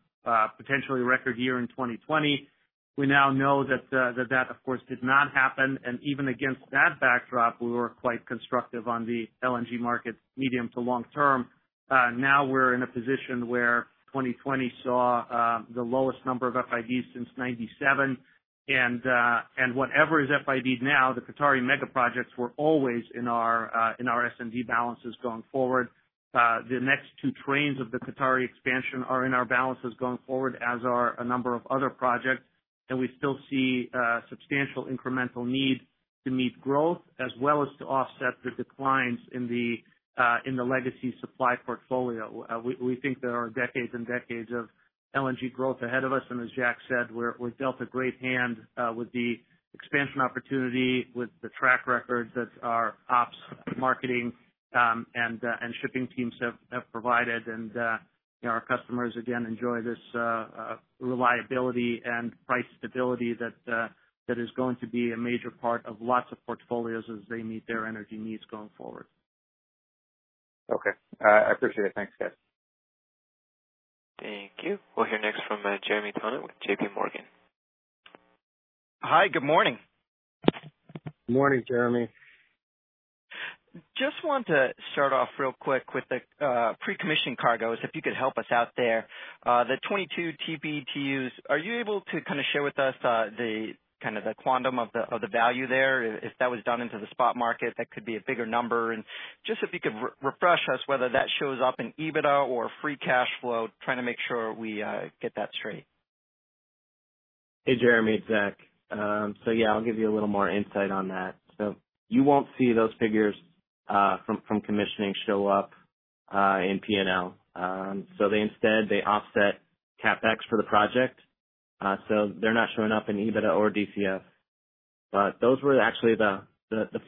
Speaker 3: potentially record year in 2020. We now know that of course did not happen. Even against that backdrop, we were quite constructive on the LNG market, medium to long term. We're in a position where 2020 saw the lowest number of FIDs since 1997. Whatever is FIDs now, the Qatari mega projects were always in our S&D balances going forward. The next two trains of the Qatari expansion are in our balances going forward, as are a number of other projects. We still see substantial incremental need to meet growth as well as to offset the declines in the legacy supply portfolio. We think there are decades and decades of LNG growth ahead of us. As Jack said, we're dealt a great hand, with the expansion opportunity, with the track record that our ops, marketing, and shipping teams have provided. Our customers, again, enjoy this reliability and price stability that is going to be a major part of lots of portfolios as they meet their energy needs going forward.
Speaker 8: Okay. I appreciate it. Thanks, guys.
Speaker 5: Thank you. We'll hear next from Jeremy Tonet with JPMorgan.
Speaker 9: Hi. Good morning.
Speaker 2: Morning, Jeremy.
Speaker 9: Want to start off real quick with the pre-commission cargoes, if you could help us out there. The 22 TBtus, are you able to kind of share with us the quantum of the value there? If that was done into the spot market, that could be a bigger number. Just if you could refresh us whether that shows up in EBITDA or free cash flow, trying to make sure we get that straight.
Speaker 4: Hey, Jeremy, it's Zach. Yeah, I'll give you a little more insight on that. You won't see those figures from commissioning show up in P&L. They instead offset CapEx for the project. They're not showing up in EBITDA or DCF. Those were actually the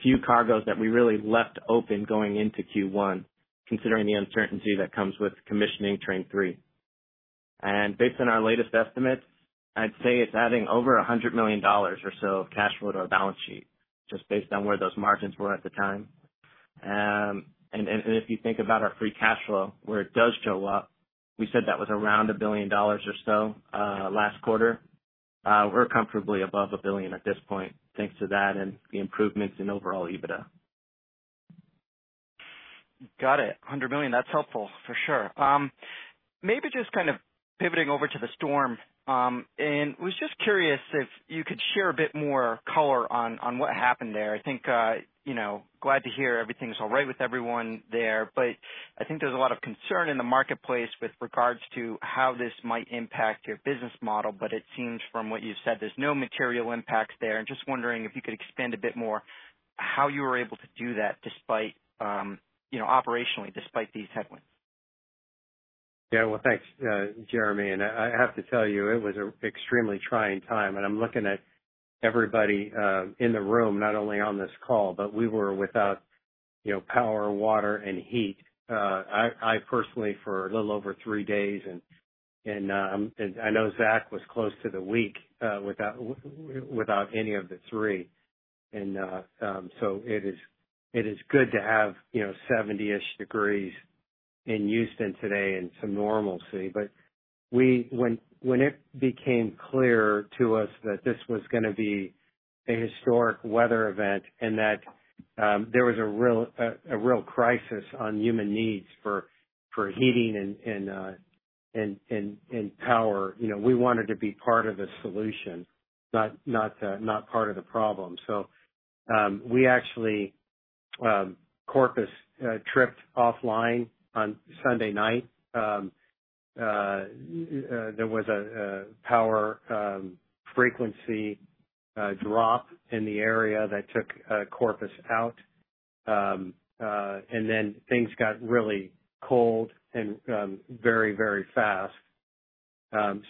Speaker 4: few cargoes that we really left open going into Q1, considering the uncertainty that comes with commissioning train three. Based on our latest estimates, I'd say it's adding over $100 million or so of cash flow to our balance sheet, just based on where those margins were at the time. If you think about our free cash flow, where it does show up, we said that was around $1 billion or so last quarter. We're comfortably above $1 billion at this point, thanks to that and the improvements in overall EBITDA.
Speaker 9: Got it. $100 million. That's helpful, for sure. Maybe just kind of pivoting over to the storm. Was just curious if you could share a bit more color on what happened there. Glad to hear everything's all right with everyone there, but I think there's a lot of concern in the marketplace with regards to how this might impact your business model. It seems from what you said, there's no material impacts there. I'm just wondering if you could expand a bit more how you were able to do that operationally despite these headwinds.
Speaker 2: Yeah. Well, thanks, Jeremy. I have to tell you, it was an extremely trying time, and I'm looking at everybody in the room, not only on this call, but we were without power, water, and heat. I personally for a little over three days, and I know Zach was close to the week, without any of the three. It is good to have 70-ish degrees in Houston today and some normalcy. When it became clear to us that this was gonna be a historic weather event and that there was a real crisis on human needs for heating and power. We wanted to be part of the solution, not part of the problem. Actually, Corpus tripped offline on Sunday night. There was a power frequency drop in the area that took Corpus out. Things got really cold very, very fast.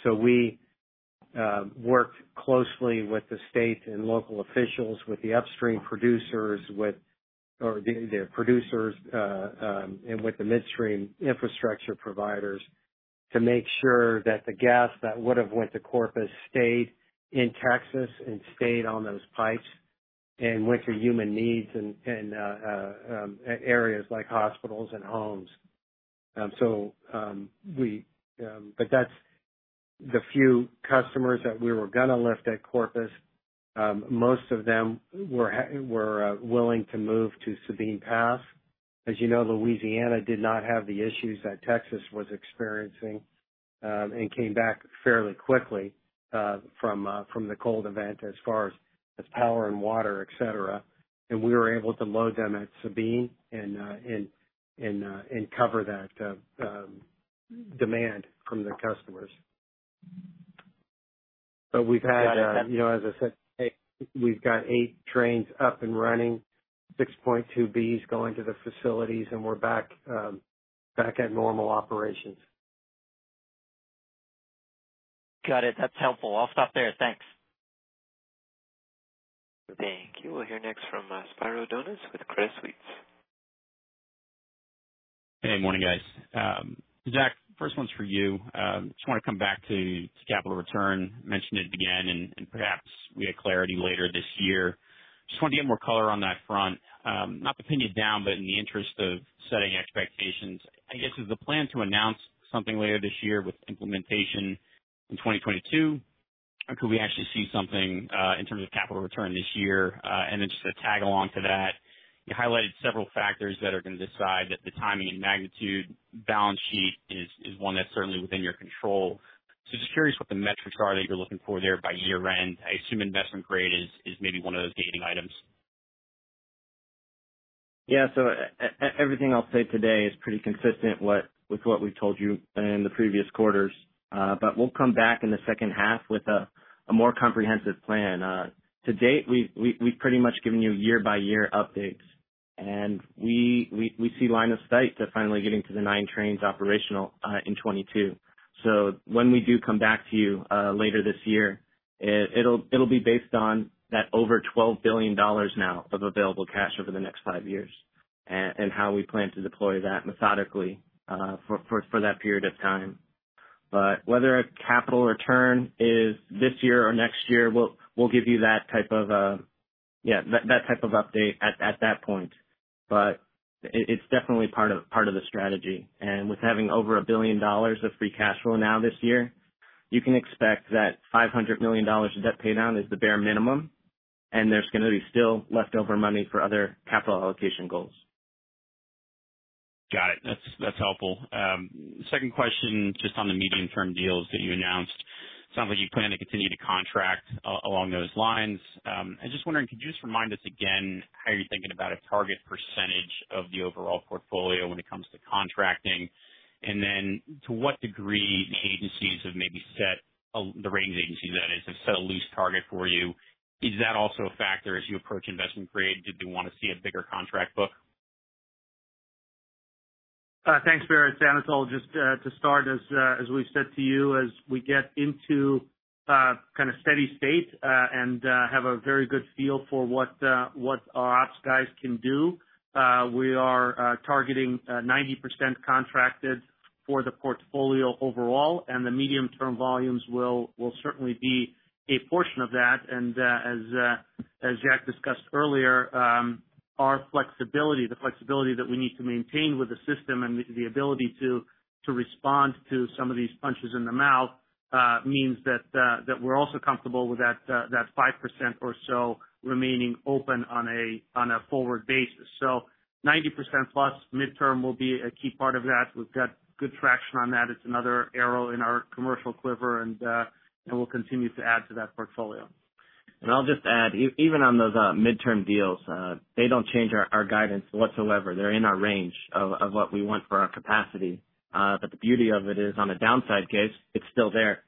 Speaker 2: We worked closely with the state and local officials, with the upstream producers, and with the midstream infrastructure providers to make sure that the gas that would have went to Corpus stayed in Texas and stayed on those pipes and went to human needs in areas like hospitals and homes. The few customers that we were gonna left at Corpus, most of them were willing to move to Sabine Pass. As you know, Louisiana did not have the issues that Texas was experiencing, and came back fairly quickly from the cold event as far as power and water, et cetera. We were able to load them at Sabine and cover that demand from the customers. As I said, we've got eight trains up and running, 6.2 Bs going to the facilities, and we're back at normal operations.
Speaker 9: Got it. That's helpful. I'll stop there. Thanks.
Speaker 5: Thank you. We'll hear next from Spiro Dounis with Credit Suisse.
Speaker 10: Hey, good morning, guys. Zach, first one's for you. Just want to come back to capital return. Mentioned it again. Perhaps we get clarity later this year. Just wanted to get more color on that front. Not to pin you down, but in the interest of setting expectations, I guess, is the plan to announce something later this year with implementation in 2022? Or could we actually see something in terms of capital return this year? Just to tag along to that, you highlighted several factors that are going to decide that the timing and magnitude. Balance sheet is one that's certainly within your control. Just curious what the metrics are that you're looking for there by year-end. I assume investment grade is maybe one of those gating items.
Speaker 4: Yeah. Everything I'll say today is pretty consistent with what we've told you in the previous quarters. We'll come back in the second half with a more comprehensive plan. To date, we've pretty much given you year-by-year updates. We see line of sight to finally getting to the nine trains operational in 2022. When we do come back to you later this year, it'll be based on that over $12 billion now of available cash over the next five years, and how we plan to deploy that methodically for that period of time. Whether a capital return is this year or next year, we'll give you that type of update at that point. It's definitely part of the strategy. With having over $1 billion of free cash flow now this year, you can expect that $500 million of debt pay down is the bare minimum, and there's going to be still leftover money for other capital allocation goals.
Speaker 10: Got it. That's helpful. Second question, just on the medium-term deals that you announced. Sounds like you plan to continue to contract along those lines. I was just wondering, could you just remind us again how you're thinking about a target percentage of the overall portfolio when it comes to contracting? To what degree the agencies have maybe set, the ratings agencies that is, have set a loose target for you. Is that also a factor as you approach investment grade? Did they want to see a bigger contract book?
Speaker 3: Thanks, Spiro. It's Anatol. Just to start, as we've said to you, as we get into kind of steady state and have a very good feel for what our ops guys can do. We are targeting 90% contracted for the portfolio overall, and the medium-term volumes will certainly be a portion of that. As Jack discussed earlier, our flexibility, the flexibility that we need to maintain with the system and the ability to respond to some of these punches in the mouth means that we're also comfortable with that 5% or so remaining open on a forward basis. 90%+ midterm will be a key part of that. We've got good traction on that. It's another arrow in our commercial quiver, and we'll continue to add to that portfolio.
Speaker 4: I'll just add, even on those midterm deals, they don't change our guidance whatsoever. They're in our range of what we want for our capacity. The beauty of it is, on the downside case, it's still there,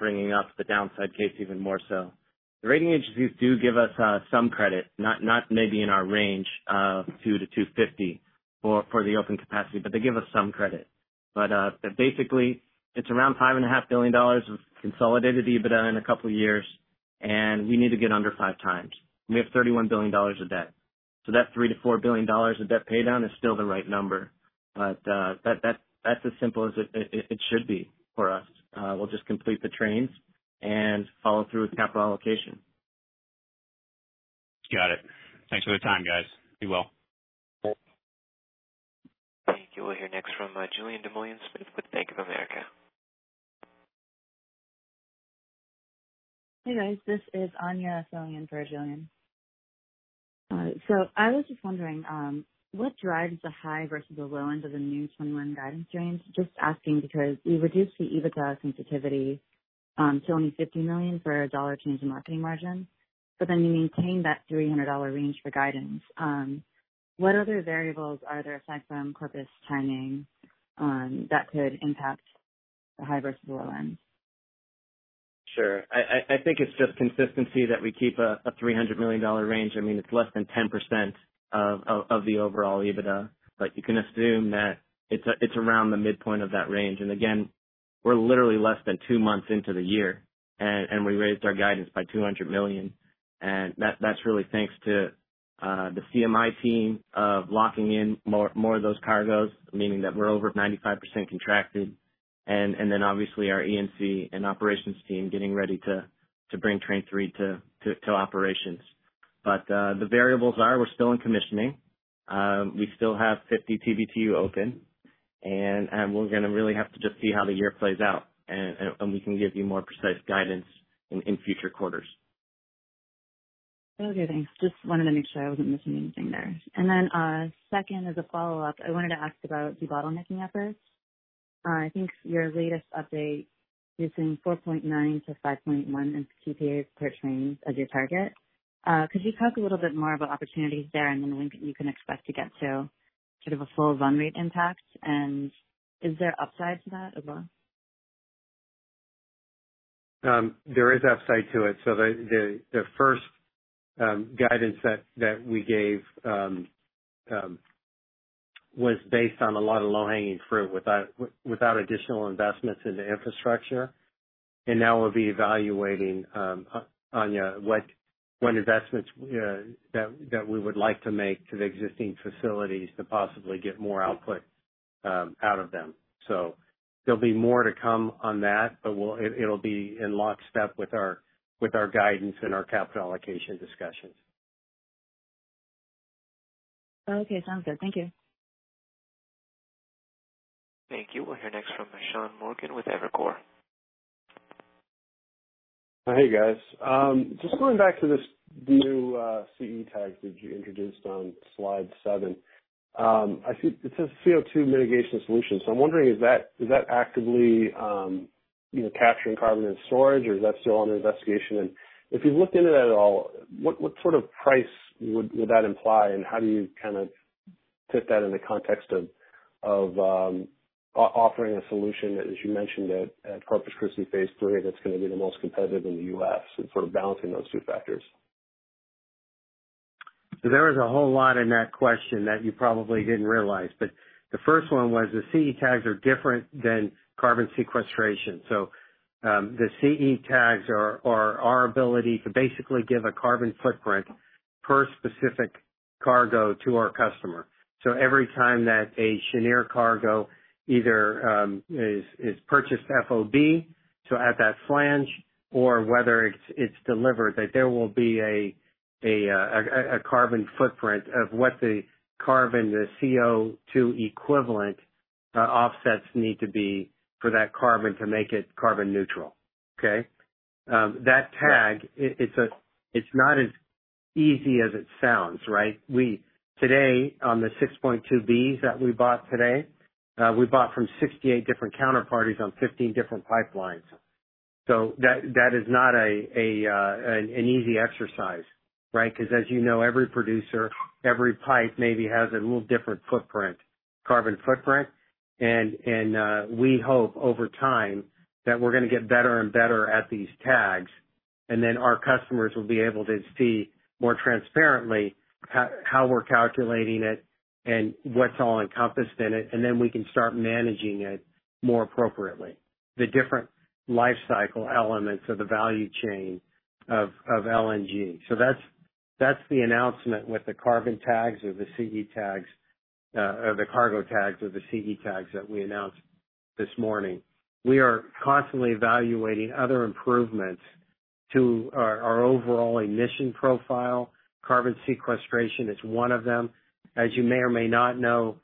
Speaker 4: bringing up the downside case even more so. The rating agencies do give us some credit, not maybe in our range of two to 250 for the open capacity, but they give us some credit. Basically, it's around $5.5 billion of consolidated EBITDA in a couple of years, and we need to get under five times. We have $31 billion of debt. That $3 billion-$4 billion of debt paydown is still the right number. That's as simple as it should be for us. We'll just complete the trains and follow through with capital allocation.
Speaker 10: Got it. Thanks for the time, guys. Be well.
Speaker 5: Thank you. We'll hear next from Julien Dumoulin-Smith with Bank of America.
Speaker 11: Hey, guys, this is Anya filling in for Julien. I was just wondering, what drives the high versus the low end of the new 2021 guidance range? Just asking because you reduced the EBITDA sensitivity to only $50 million for a dollar change in marketing margin. You maintain that $300 range for guidance. What other variables are there aside from Corpus timing that could impact the high versus low end?
Speaker 4: Sure. I think it's just consistency that we keep a $300 million range. I mean, it's less than 10% of the overall EBITDA. Again, we're literally less than two months into the year, and we raised our guidance by $200 million. That's really thanks to the CMI team locking in more of those cargoes, meaning that we're over 95% contracted. Then obviously our E&C and operations team getting ready to bring Train 3 to operations. But the variables are, we're still in commissioning. We still have 50 TBtu open, and we're going to really have to just see how the year plays out, and we can give you more precise guidance in future quarters.
Speaker 11: Okay, thanks. Just wanted to make sure I wasn't missing anything there. Second, as a follow-up, I wanted to ask about debottlenecking efforts. I think your latest update, you're seeing 4.9 to 5.1 MTPA per train as your target. Could you talk a little bit more about opportunities there and when you can expect to get to sort of a full run rate impact? Is there upside to that as well?
Speaker 4: There is upside to it. The first guidance that we gave was based on a lot of low-hanging fruit without additional investments into infrastructure. Now we'll be evaluating, Anya, what investments that we would like to make to the existing facilities to possibly get more output out of them. There'll be more to come on that, but it'll be in lockstep with our guidance and our capital allocation discussions.
Speaker 11: Okay, sounds good. Thank you.
Speaker 5: Thank you. We'll hear next from Sean Morgan with Evercore.
Speaker 12: Hey, guys. Just going back to this new CE tags that you introduced on slide seven. I see it says CO2 mitigation solution. I'm wondering, is that actively capturing carbon in storage or is that still under investigation? If you've looked into that at all, what sort of price would that imply, and how do you kind of fit that in the context of offering a solution, as you mentioned at Corpus Christi phase III, that's gonna be the most competitive in the U.S. and sort of balancing those two factors?
Speaker 2: There is a whole lot in that question that you probably didn't realize. The first one was the CE tags are different than carbon sequestration. The CE tags are our ability to basically give a carbon footprint per specific cargo to our customer. Every time that a Cheniere cargo either is purchased FOB, so at that flange, or whether it's delivered, there will be a carbon footprint of what the carbon, the CO2 equivalent, offsets need to be for that carbon to make it carbon neutral. Okay? That tag, it's not as easy as it sounds, right? Today, on the 6.2 Bs that we bought today, we bought from 68 different counterparties on 15 different pipelines. That is not an easy exercise, right? Because as you know, every producer, every pipe maybe has a little different footprint, carbon footprint. We hope over time that we're going to get better and better at these tags, and then our customers will be able to see more transparently how we're calculating it and what's all encompassed in it, and then we can start managing it more appropriately, the different life cycle elements of the value chain of LNG. That's the announcement with the carbon tags or the CE tags, or the cargo tags or the CE tags that we announced this morning. We are constantly evaluating other improvements to our overall emission profile. Carbon sequestration is one of them. As you may or may not know,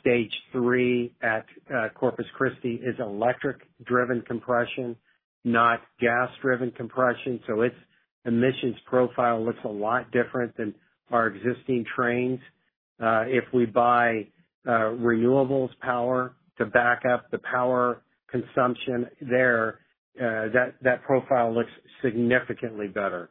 Speaker 2: Stage 3 at Corpus Christi is electric-driven compression, not gas-driven compression. Its emissions profile looks a lot different than our existing trains. If we buy renewables power to back up the power consumption there, that profile looks significantly better.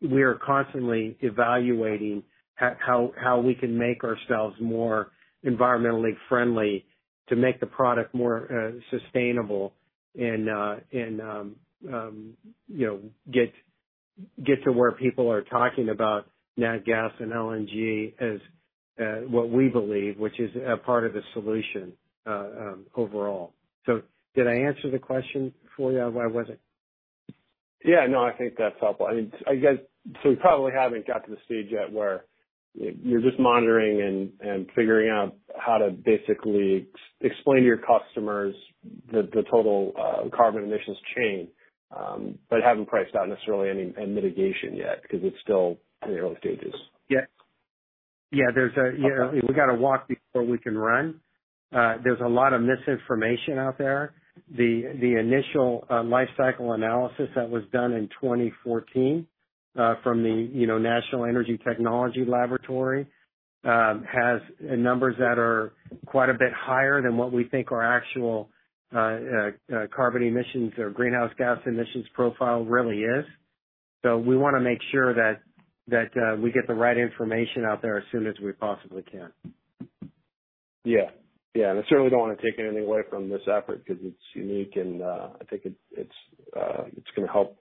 Speaker 2: We are constantly evaluating how we can make ourselves more environmentally friendly to make the product more sustainable and get to where people are talking about nat gas and LNG as what we believe, which is a part of the solution overall. Did I answer the question for you? Where was it?
Speaker 12: Yeah, no, I think that's helpful. You probably haven't got to the stage yet where you're just monitoring and figuring out how to basically explain to your customers the total carbon emissions chain. Haven't priced out necessarily any mitigation yet because it's still in the early stages.
Speaker 2: Yeah. We got to walk before we can run. There's a lot of misinformation out there. The initial life cycle analysis that was done in 2014, from the National Energy Technology Laboratory, has numbers that are quite a bit higher than what we think our actual carbon emissions or greenhouse gas emissions profile really is. We wanna make sure that we get the right information out there as soon as we possibly can.
Speaker 12: Yeah. I certainly don't want to take anything away from this effort because it's unique and I think it's gonna help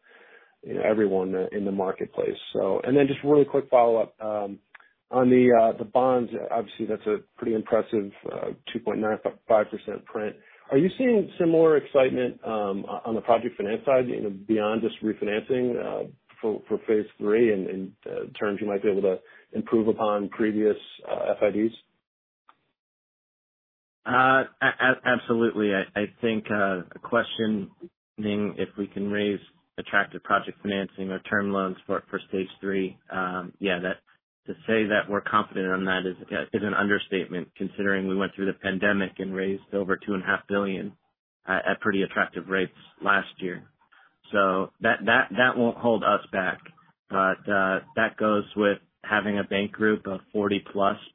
Speaker 12: everyone in the marketplace. Just really quick follow-up. On the bonds, obviously, that's a pretty impressive 2.95% print. Are you seeing similar excitement on the project finance side beyond just refinancing for phase III and terms you might be able to improve upon previous FIDs?
Speaker 4: Absolutely. I think questioning if we can raise attractive project financing or term loans for phase III, yeah, to say that we're confident on that is an understatement, considering we went through the pandemic and raised over 2.5 billion at pretty attractive rates last year. That won't hold us back. That goes with having a bank group of 40+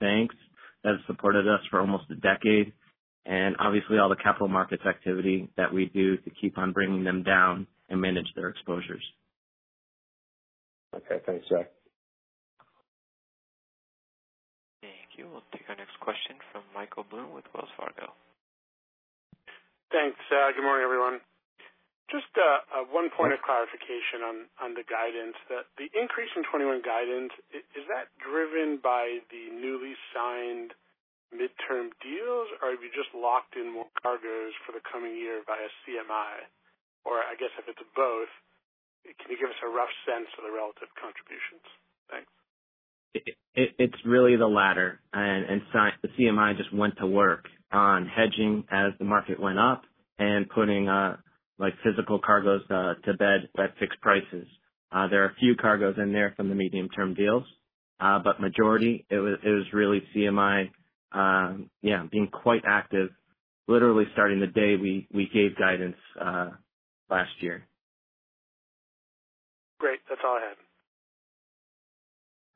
Speaker 4: banks that have supported us for almost a decade, and obviously all the capital markets activity that we do to keep on bringing them down and manage their exposures.
Speaker 12: Okay. Thanks, Zach.
Speaker 5: Thank you. We'll take our next question from Michael Blum with Wells Fargo.
Speaker 13: Thanks. Good morning, everyone. Just one point of clarification on the guidance that the increase in 2021 guidance, is that driven by the newly signed midterm deals, or have you just locked in more cargoes for the coming year via CMI? I guess if it's both, can you give us a rough sense of the relative contributions? Thanks.
Speaker 4: It's really the latter. CMI just went to work on hedging as the market went up and putting physical cargoes to bed at fixed prices. There are a few cargoes in there from the medium-term deals. Majority it was really CMI, yeah, being quite active, literally starting the day we gave guidance last year.
Speaker 13: Great. That's all I had.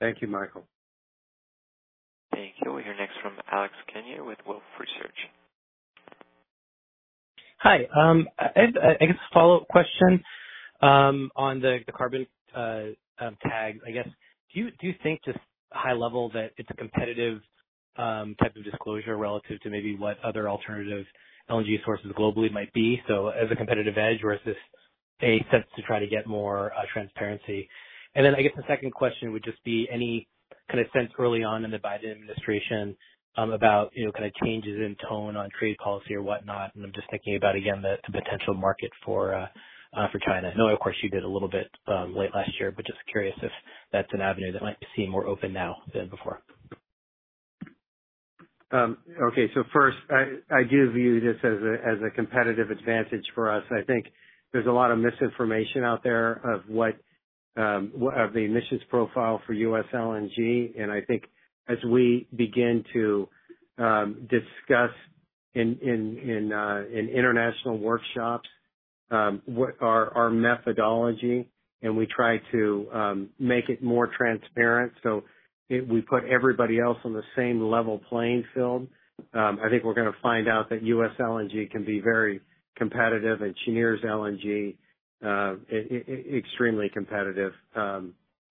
Speaker 4: Thank you, Michael.
Speaker 5: Thank you. We'll hear next from Alex Kania with Wolfe Research.
Speaker 14: Hi. I guess a follow-up question on the Carbon Tag, I guess. Do you think, just high level, that it's a competitive type of disclosure relative to maybe what other alternative LNG sources globally might be, so as a competitive edge? Is this a sense to try to get more transparency? I guess the second question would just be any kind of sense early on in the Biden administration about changes in tone on trade policy or whatnot? I'm just thinking about, again, the potential market for China. I know, of course, you did a little bit late last year, just curious if that's an avenue that might seem more open now than before.
Speaker 2: Okay. First, I give you this as a competitive advantage for us. I think there's a lot of misinformation out there of the emissions profile for U.S. LNG. I think as we begin to discuss in international workshops our methodology, and we try to make it more transparent so we put everybody else on the same level playing field, I think we're going to find out that U.S. LNG can be very competitive, and Cheniere's LNG extremely competitive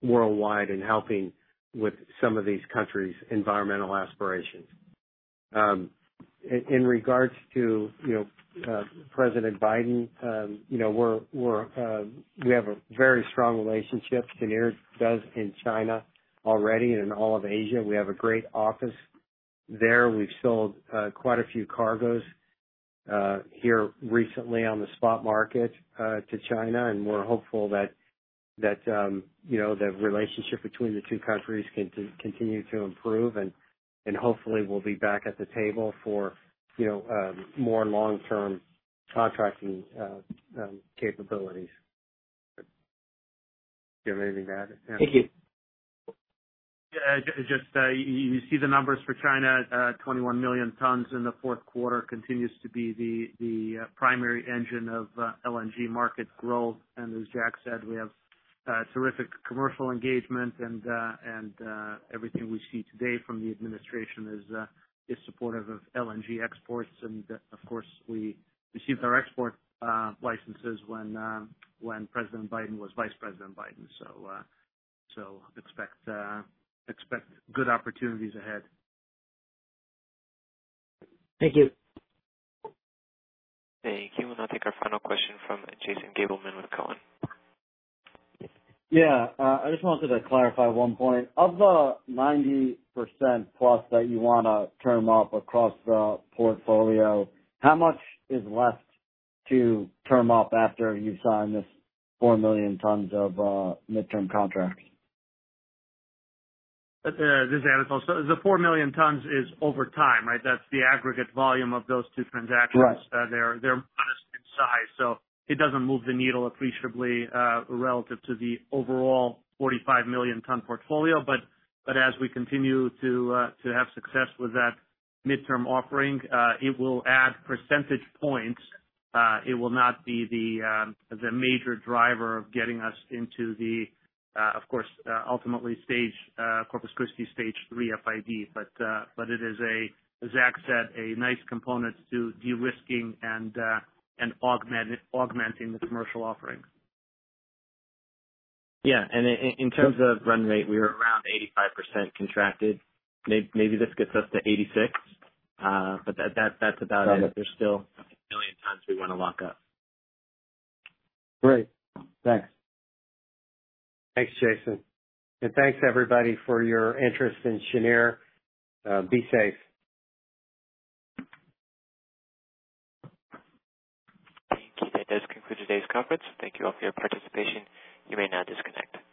Speaker 2: worldwide in helping with some of these countries' environmental aspirations. In regards to President Biden, we have a very strong relationship, Cheniere does in China already and in all of Asia. We have a great office there. We've sold quite a few cargoes here recently on the spot market to China, and we're hopeful that the relationship between the two countries can continue to improve, and hopefully we'll be back at the table for more long-term contracting capabilities. Do you have anything to add, Anatol?
Speaker 14: Thank you.
Speaker 3: Just you see the numbers for China, 21 million tons in the fourth quarter continues to be the primary engine of LNG market growth. As Jack said, we have terrific commercial engagement, and everything we see today from the administration is supportive of LNG exports. Of course, we received our export licenses when President Biden was Vice President Biden. Expect good opportunities ahead.
Speaker 14: Thank you.
Speaker 5: Thank you. We'll now take our final question from Jason Gabelman with Cowen.
Speaker 15: Yeah. I just wanted to clarify one point. Of the 90%+ that you want to term up across the portfolio, how much is left to term up after you've signed this 4 million tons of midterm contracts?
Speaker 3: This is Anatol. The 4 million tons is over time, right? That's the aggregate volume of those two transactions.
Speaker 15: Right.
Speaker 3: They're modest in size, so it doesn't move the needle appreciably relative to the overall 45-million-ton portfolio. As we continue to have success with that midterm offering, it will add percentage points. It will not be the major driver of getting us into the, of course ultimately Corpus Christi Stage 3 FID. It is, as Zach said, a nice component to de-risking and augmenting the commercial offerings.
Speaker 4: Yeah. In terms of run rate, we were around 85% contracted. Maybe this gets us to 86%. That's about it. There's still 1 million tons we want to lock up.
Speaker 15: Great. Thanks.
Speaker 2: Thanks, Jason. Thanks everybody for your interest in Cheniere. Be safe.
Speaker 5: Thank you. That does conclude today's conference. Thank you all for your participation. You may now disconnect.